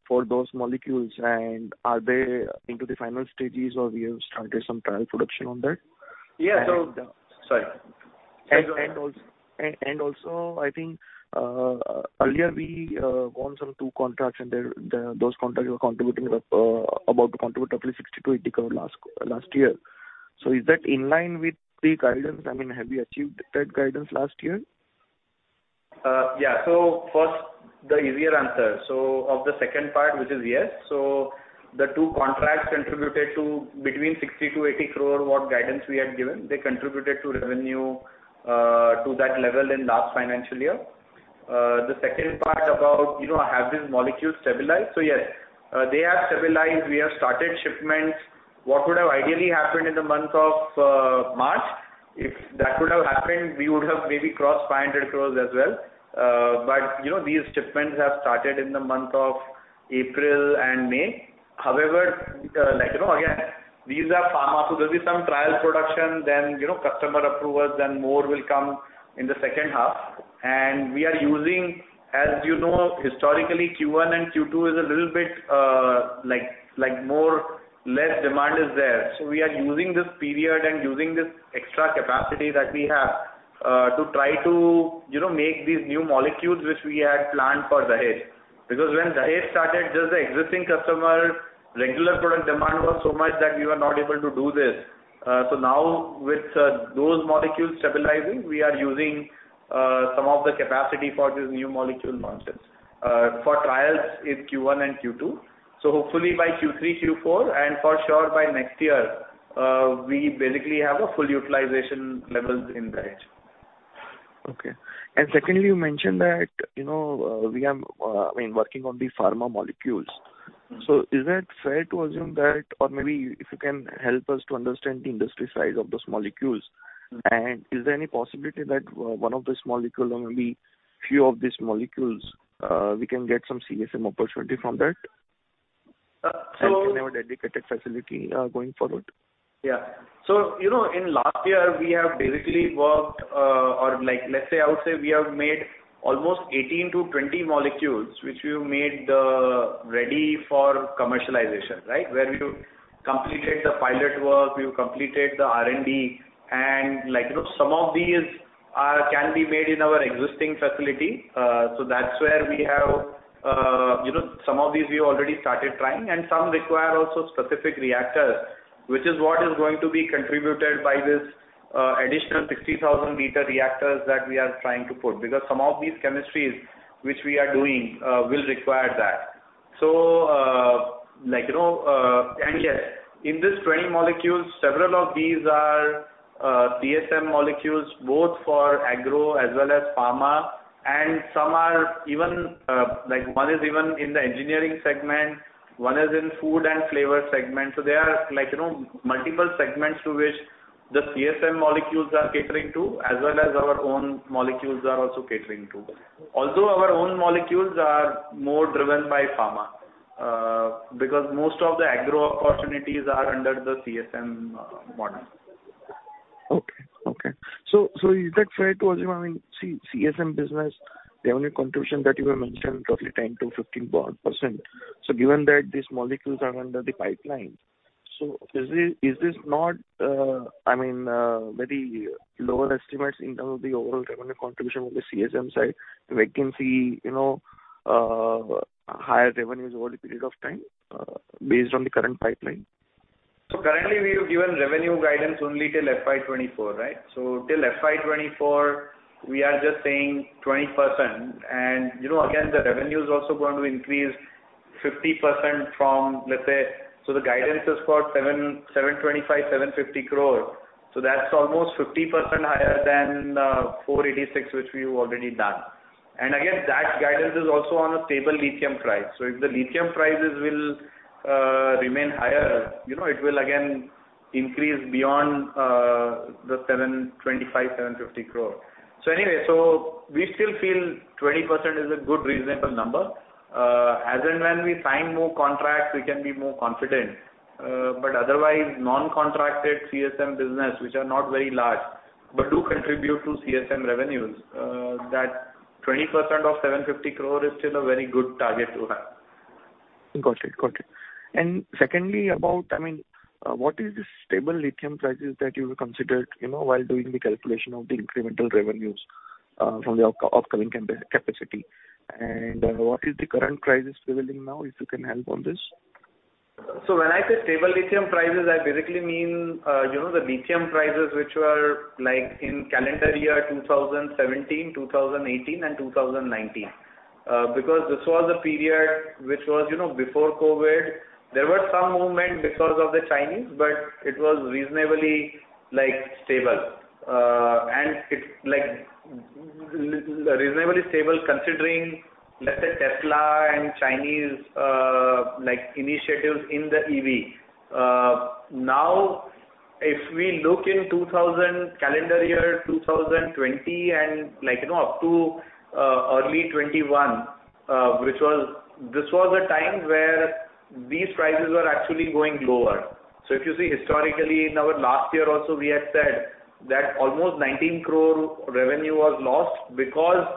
for those molecules, and are they into the final stages or we have started some trial production on that? Yeah. And, um- Sorry. Also, I think earlier we won two contracts and those contracts were contributing about to contribute up to 60 crore-80 crore last year. Is that in line with the guidance? I mean, have you achieved that guidance last year? Yeah. First, the easier answer. Of the second part, which is yes. The two contracts contributed to 60 crore-80 crore, what guidance we had given. They contributed to revenue, to that level in last financial year. The second part about, you know, have these molecules stabilized. Yes, they are stabilized. We have started shipments. What would have ideally happened in the month of March, if that would have happened, we would have maybe crossed 500 crore as well. But you know, these shipments have started in the month of April and May. However, like, you know, again, these are pharma, so there'll be some trial production then, you know, customer approvals, then more will come in the second half. We are using, as you know, historically Q1 and Q2 is a little bit, like more or less demand is there. We are using this period and using this extra capacity that we have to try to, you know, make these new molecules which we had planned for Dahej. Because when Dahej started, just the existing customer regular product demand was so much that we were not able to do this. Now with those molecules stabilizing, we are using some of the capacity for these new molecule launches for trials in Q1 and Q2. Hopefully by Q3, Q4, and for sure by next year, we basically have full utilization levels in Dahej. Okay. Secondly, you mentioned that, you know, we are, I mean, working on the pharma molecules. Mm-hmm. Is that fair to assume that or maybe if you can help us to understand the industry size of those molecules? Mm-hmm. Is there any possibility that one of this molecule or maybe few of these molecules, we can get some CSM opportunity from that? Uh, so- Can have a dedicated facility, going forward. Yeah. You know, in last year, we have basically worked, or like, let's say, I would say we have made almost 18-20 molecules, which we made ready for commercialization, right? Where we completed the pilot work, we completed the R&D, and like, you know, some of these are, can be made in our existing facility. That's where we have, you know, some of these we already started trying and some require also specific reactors, which is what is going to be contributed by this additional 60,000 L reactors that we are trying to put. Because some of these chemistries which we are doing will require that. Like, you know, yes, in these 20 molecules several of these are CSM molecules both for agro as well as pharma, and some are even, like one is even in the engineering segment, one is in food and flavor segment. They are like, you know, multiple segments to which the CSM molecules are catering to, as well as our own molecules are also catering to. Although our own molecules are more driven by pharma, because most of the agro opportunities are under the CSM model. Okay. So is that fair to assume, I mean, CSM business revenue contribution that you have mentioned roughly 10%-15%. Given that these molecules are in the pipeline, is this not, I mean, very low estimates in terms of the overall revenue contribution on the CSM side where we can see, you know, higher revenues over a period of time, based on the current pipeline? Currently, we've given revenue guidance only till FY 2024, right? Till FY 2024 we are just saying 20%. You know, again, the revenue is also going to increase 50% from, let's say, the guidance is for 700 crore, 725 crore, 750 crore. That's almost 50% higher than 486 crore, which we've already done. Again, that guidance is also on a stable lithium price. If the lithium prices remain higher, you know, it will again increase beyond 725 crore-750 crore. Anyway, we still feel 20% is a good reasonable number. As and when we sign more contracts, we can be more confident. Otherwise, non-contracted CSM business, which are not very large, but do contribute to CSM revenues, that 20% of 750 crore is still a very good target to have. Got it. Secondly, about, I mean, what is the stable lithium prices that you will consider, you know, while doing the calculation of the incremental revenues from the upcoming capacity? What is the current prices prevailing now, if you can help on this? When I say stable lithium prices, I basically mean, you know, the lithium prices which were like in calendar year 2017, 2018, and 2019. Because this was a period which was, you know, before COVID. There were some movements because of the Chinese, but it was reasonably, like, stable. It's like, reasonably stable considering, let's say, Tesla and Chinese, like, initiatives in the EV. Now, if we look in calendar year 2020 and, like, you know, up to early 2021, this was a time where these prices were actually going lower. If you see historically in our last year also, we had said that almost 19 crore revenue was lost because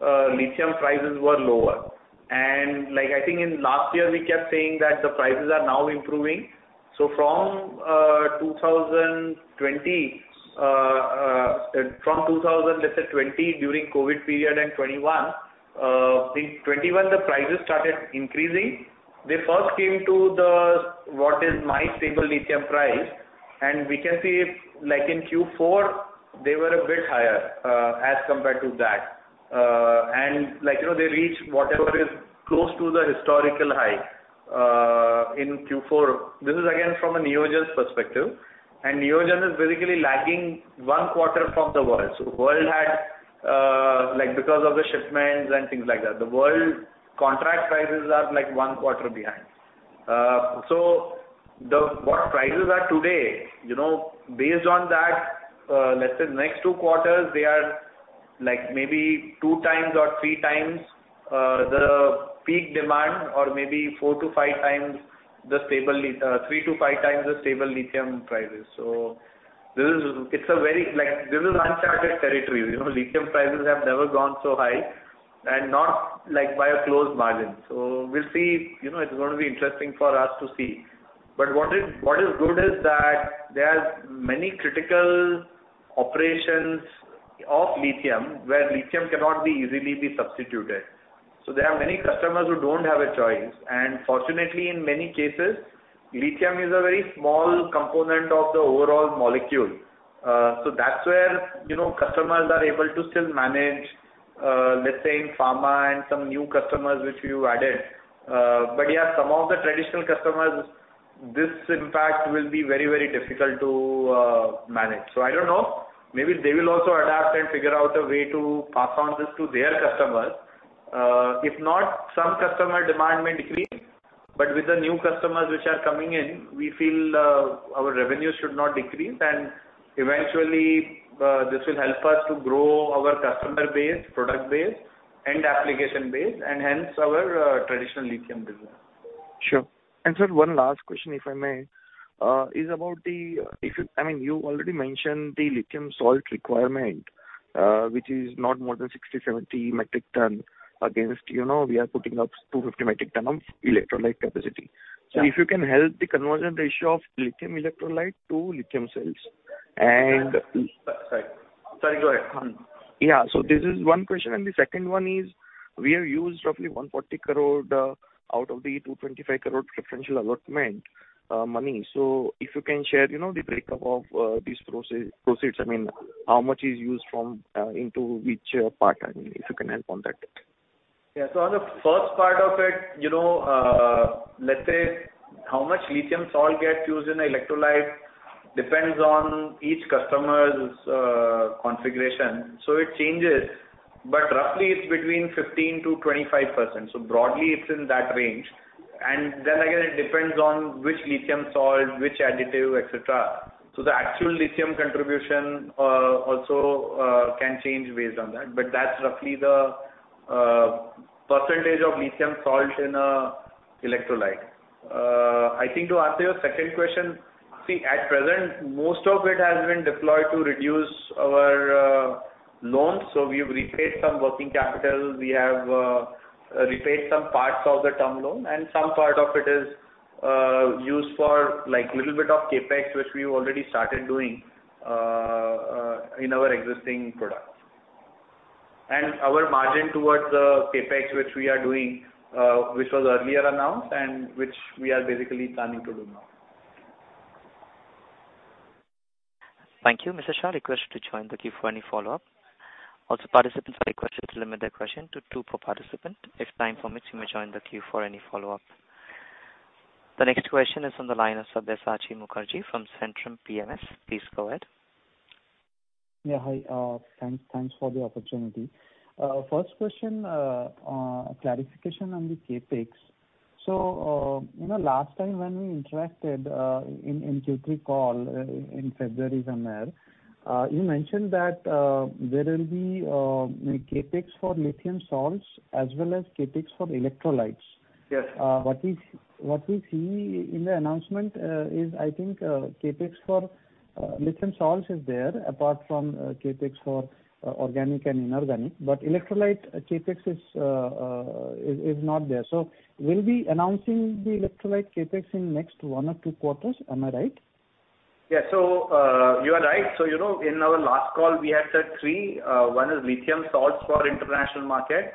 lithium prices were lower. Like, I think in last year, we kept saying that the prices are now improving. From 2020, let's say, during COVID period and 2021, in 2021, the prices started increasing. They first came to the, what is my stable lithium price, and we can see if, like in Q4, they were a bit higher, as compared to that. And like, you know, they reached whatever is close to the historical high, in Q4. This is again, from a Neogen's perspective. Neogen is basically lagging one quarter from the world. World had, like, because of the shipments and things like that. The world contract prices are, like, one quarter behind. What prices are today, you know, based on that, let's say next two quarters, they are, like, maybe 2x or 3x the peak demand or 3x-5x the stable lithium prices. This is uncharted territory. You know, lithium prices have never gone so high and not, like, by a close margin. We'll see. You know, it's going to be interesting for us to see. But what is good is that there are many critical operations of lithium, where lithium cannot be easily substituted. There are many customers who don't have a choice. Fortunately, in many cases, lithium is a very small component of the overall molecule. That's where, you know, customers are able to still manage, let's say in pharma and some new customers which we've added. Yeah, some of the traditional customers, this impact will be very, very difficult to manage. I don't know. Maybe they will also adapt and figure out a way to pass on this to their customers. If not, some customer demand may decrease, but with the new customers which are coming in, we feel, our revenue should not decrease. Eventually, this will help us to grow our customer base, product base, and application base, and hence our traditional lithium business. Sure. Sir, one last question, if I may, is about, I mean, you already mentioned the lithium salt requirement, which is not more than 60 MT-70 MT against, you know, we are putting up 250 MT of electrolyte capacity. Yeah. If you can help the conversion ratio of lithium electrolyte to lithium cells and- Sorry, go ahead. Yeah. This is one question, and the second one is, we have used roughly 140 crore out of the 225 crore preferential allotment money. If you can share, you know, the breakup of these proceeds. I mean, how much is used from into which part, I mean, if you can help on that. Yeah. On the first part of it, you know, let's say how much lithium salt gets used in electrolyte depends on each customer's configuration. It changes. Roughly it's between 15%-25%. Broadly it's in that range. Then again, it depends on which lithium salt, which additive, et cetera. The actual lithium contribution also can change based on that. That's roughly the percentage of lithium salt in an electrolyte. I think to answer your second question. See, at present, most of it has been deployed to reduce our loans. We've repaid some working capital. We have repaid some parts of the term loan, and some part of it is used for, like, little bit of CapEx, which we've already started doing in our existing products. Our margin towards the CapEx, which we are doing, which was earlier announced and which we are basically planning to do now. Thank you. Mr. Shah, I request you to join the queue for any follow-up. Also, participants, I request you to limit their question to two per participant. If time permits, you may join the queue for any follow-up. The next question is on the line of Sabyasachi Mukerji from Centrum PMS. Please go ahead. Yeah. Hi, thanks for the opportunity. First question, clarification on the CapEx. You know, last time when we interacted in Q3 call in February, Harin Kanani, you mentioned that there will be a CapEx for lithium salts as well as CapEx for electrolytes. Yes. What we see in the announcement is, I think, CapEx for lithium salts is there, apart from CapEx for Organic and Inorganic. Electrolyte CapEx is not there. We'll be announcing the electrolyte CapEx in next one or two quarters. Am I right? Yeah, you are right. You know, in our last call, we had said three. One is lithium salts for international market.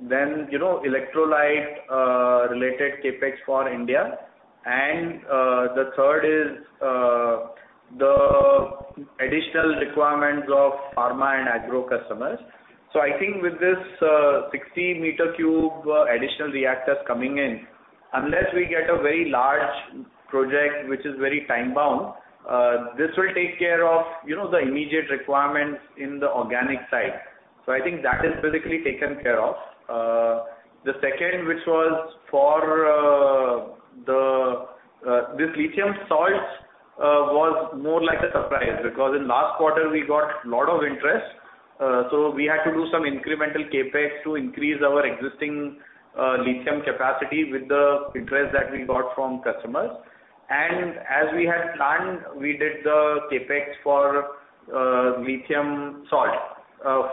You know, electrolyte related CapEx for India. The third is the additional requirements of pharma and agro customers. I think with this, 60 cubic meter additional reactors coming in, unless we get a very large project, which is very time bound, this will take care of, you know, the immediate requirements in the Organic side. I think that is basically taken care of. The second, which was for this lithium salts, was more like a surprise, because in last quarter we got lot of interest, so we had to do some incremental CapEx to increase our existing lithium capacity with the interest that we got from customers. As we had planned, we did the CapEx for lithium salt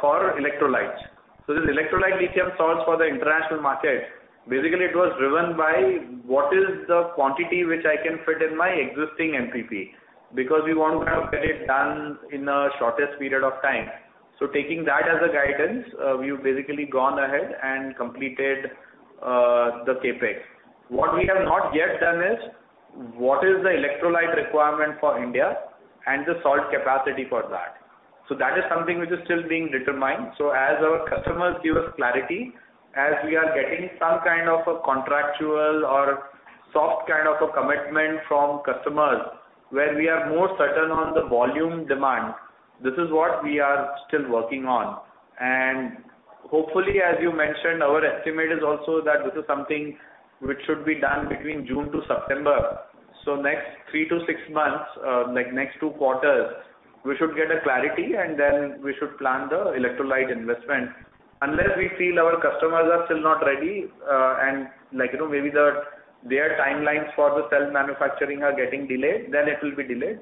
for electrolytes. This electrolyte lithium salts for the international market, basically it was driven by what is the quantity which I can fit in my existing MPP, because we want to get it done in the shortest period of time. Taking that as a guidance, we've basically gone ahead and completed the CapEx. What we have not yet done is what is the electrolyte requirement for India and the salt capacity for that. That is something which is still being determined. As our customers give us clarity, as we are getting some kind of a contractual or soft kind of a commitment from customers, where we are more certain on the volume demand, this is what we are still working on. Hopefully, as you mentioned, our estimate is also that this is something which should be done between June to September. Next three to six months, like next two quarters, we should get a clarity and then we should plan the electrolyte investment. Unless we feel our customers are still not ready, and, like, you know, maybe their timelines for the cell manufacturing are getting delayed, then it will be delayed.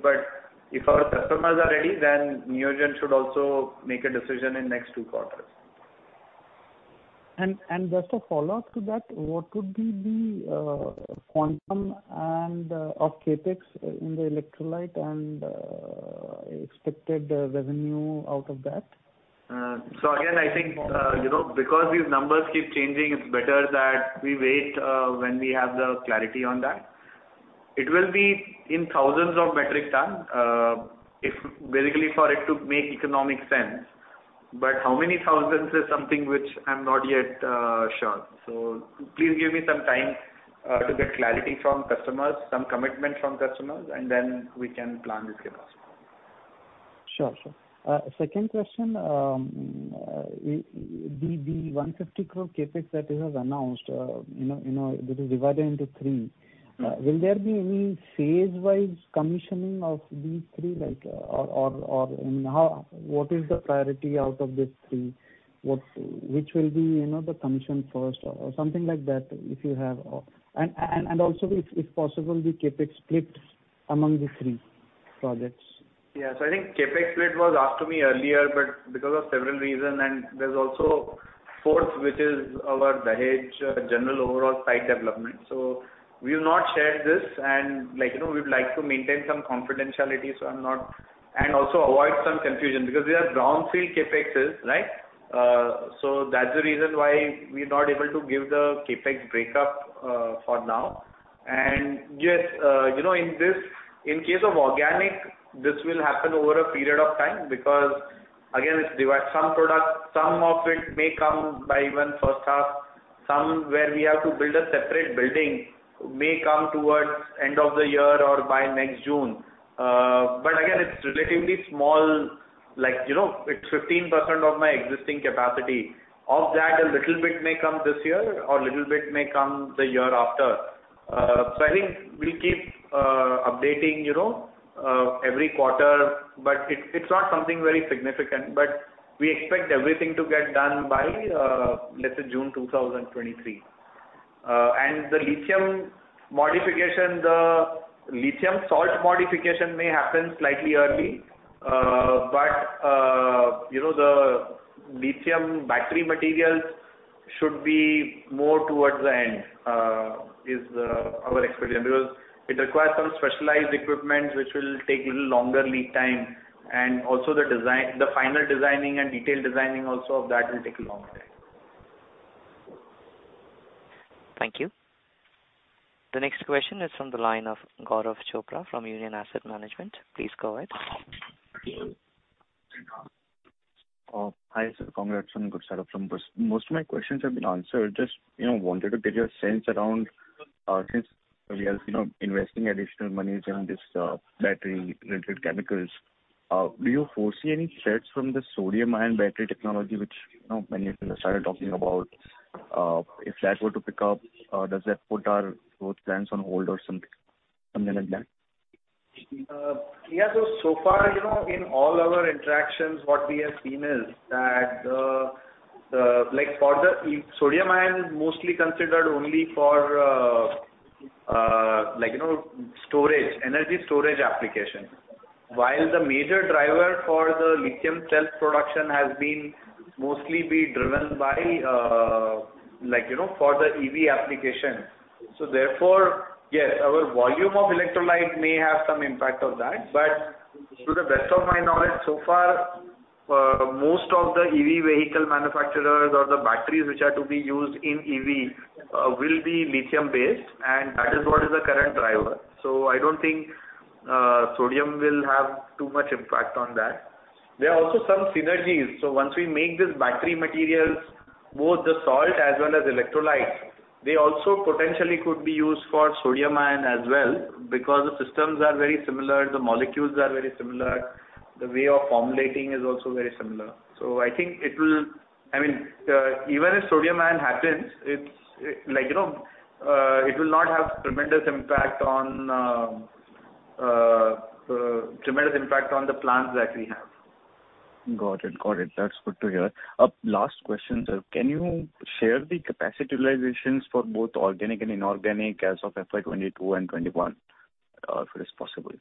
If our customers are ready, then Neogen should also make a decision in next two quarters. Just a follow-up to that, what would be the quantum and of CapEx in the electrolyte and expected revenue out of that? Again, I think, you know, because these numbers keep changing, it's better that we wait when we have the clarity on that. It will be in thousands of metric ton, basically for it to make economic sense. How many thousands is something which I'm not yet sure. Please give me some time to get clarity from customers, some commitment from customers, and then we can plan this CapEx. Sure. Second question, the 150 crore CapEx that you have announced, you know, it is divided into three. Mm-hmm. Will there be any phase-wise commissioning of these three, like, I mean, what is the priority out of these three? Which will be, you know, the commissioning first or something like that, if you have. Also, if possible, the CapEx split among the three projects. Yeah. I think CapEx split was asked to me earlier, but because of several reason, and there's also fourth, which is our Dahej general overall site development. We've not shared this and, like, you know, we'd like to maintain some confidentiality, so I'm not. And also avoid some confusion because they are brownfield CapExes, right? That's the reason why we're not able to give the CapEx breakup for now. Yes, you know, in case of Organic, this will happen over a period of time because again, it's diverse. Some products, some of it may come by even first half. Some where we have to build a separate building may come towards end of the year or by next June. Again, it's relatively small, like, you know, it's 15% of my existing capacity. Of that, a little bit may come this year or little bit may come the year after. I think we'll keep updating, you know, every quarter, but it's not something very significant. We expect everything to get done by, let's say, June 2023. The lithium modification, the lithium salt modification may happen slightly early. You know, the lithium battery materials should be more towards the end, is our expectation. Because it requires some specialized equipment which will take little longer lead time. Also, the design, the final designing and detail designing also of that will take a long time. Thank you. The next question is from the line of Gaurav Chopra from Union Asset Management. Please go ahead. Hi, sir. Congrats on good set of numbers. Most of my questions have been answered. Just, you know, wanted to get your sense around, since we have, you know, investing additional monies in this, battery-related chemicals, do you foresee any threats from the sodium-ion battery technology, which, you know, many of you started talking about? If that were to pick up, does that put our growth plans on hold or something like that? So far, you know, in all our interactions, what we have seen is that, like, sodium-ion is mostly considered only for, like, you know, stationary energy storage application. While the major driver for the lithium cell production has mostly been driven by, like, you know, for the EV application. Therefore, yes, our volume of electrolyte may have some impact from that. But to the best of my knowledge, so far, most of the EV vehicle manufacturers or the batteries which are to be used in EV will be lithium-based, and that is what is the current driver. I don't think sodium will have too much impact on that. There are also some synergies. Once we make these battery materials, both the salt as well as electrolytes, they also potentially could be used for sodium ion as well, because the systems are very similar, the molecules are very similar. The way of formulating is also very similar. I think it will, I mean, even if sodium ion happens, it's like, you know, it will not have tremendous impact on the plans that we have. Got it. That's good to hear. Last question, sir. Can you share the capacity utilizations for both Organic and Inorganic as of FY 2022 and 2021, if it is possible?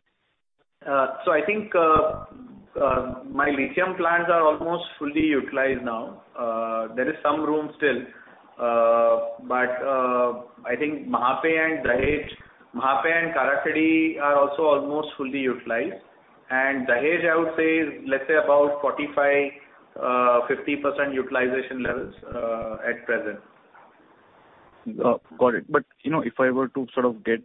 I think my lithium plants are almost fully utilized now. There is some room still. I think Mahape and Karakhadi are also almost fully utilized. Dahej, I would say, is, let's say, about 45%-50% utilization levels, at present. Got it. You know, if I were to sort of get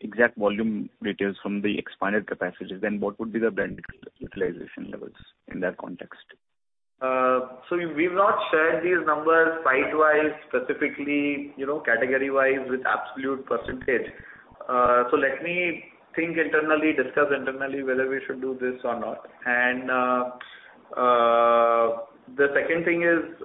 exact volume details from the expanded capacities, then what would be the blend utilization levels in that context? We've not shared these numbers site-wise, specifically, you know, category-wise with absolute percentage. Let me think internally, discuss internally whether we should do this or not. The second thing is,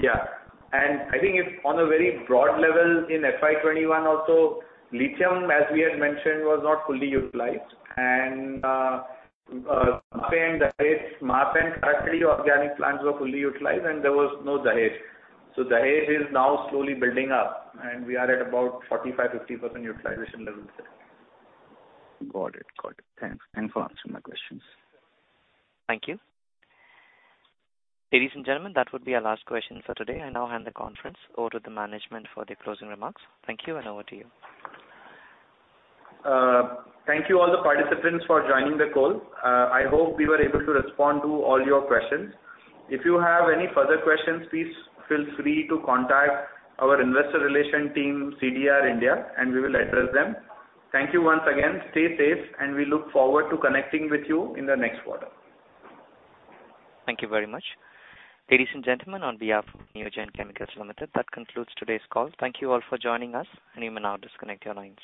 yeah. I think it's on a very broad level in FY 2021 also, lithium, as we had mentioned, was not fully utilized. Mahape and Karakhadi Organic plants were fully utilized, and there was no Dahej. Dahej is now slowly building up, and we are at about 45%-50% utilization levels there. Got it. Thanks for answering my questions. Thank you. Ladies and gentlemen, that would be our last question for today. I now hand the conference over to the management for the closing remarks. Thank you, and over to you. Thank you, all the participants for joining the call. I hope we were able to respond to all your questions. If you have any further questions, please feel free to contact our investor relations team, CDR India, and we will address them. Thank you once again. Stay safe, and we look forward to connecting with you in the next quarter. Thank you very much. Ladies and gentlemen, on behalf of Neogen Chemicals Limited, that concludes today's call. Thank you all for joining us, and you may now disconnect your lines.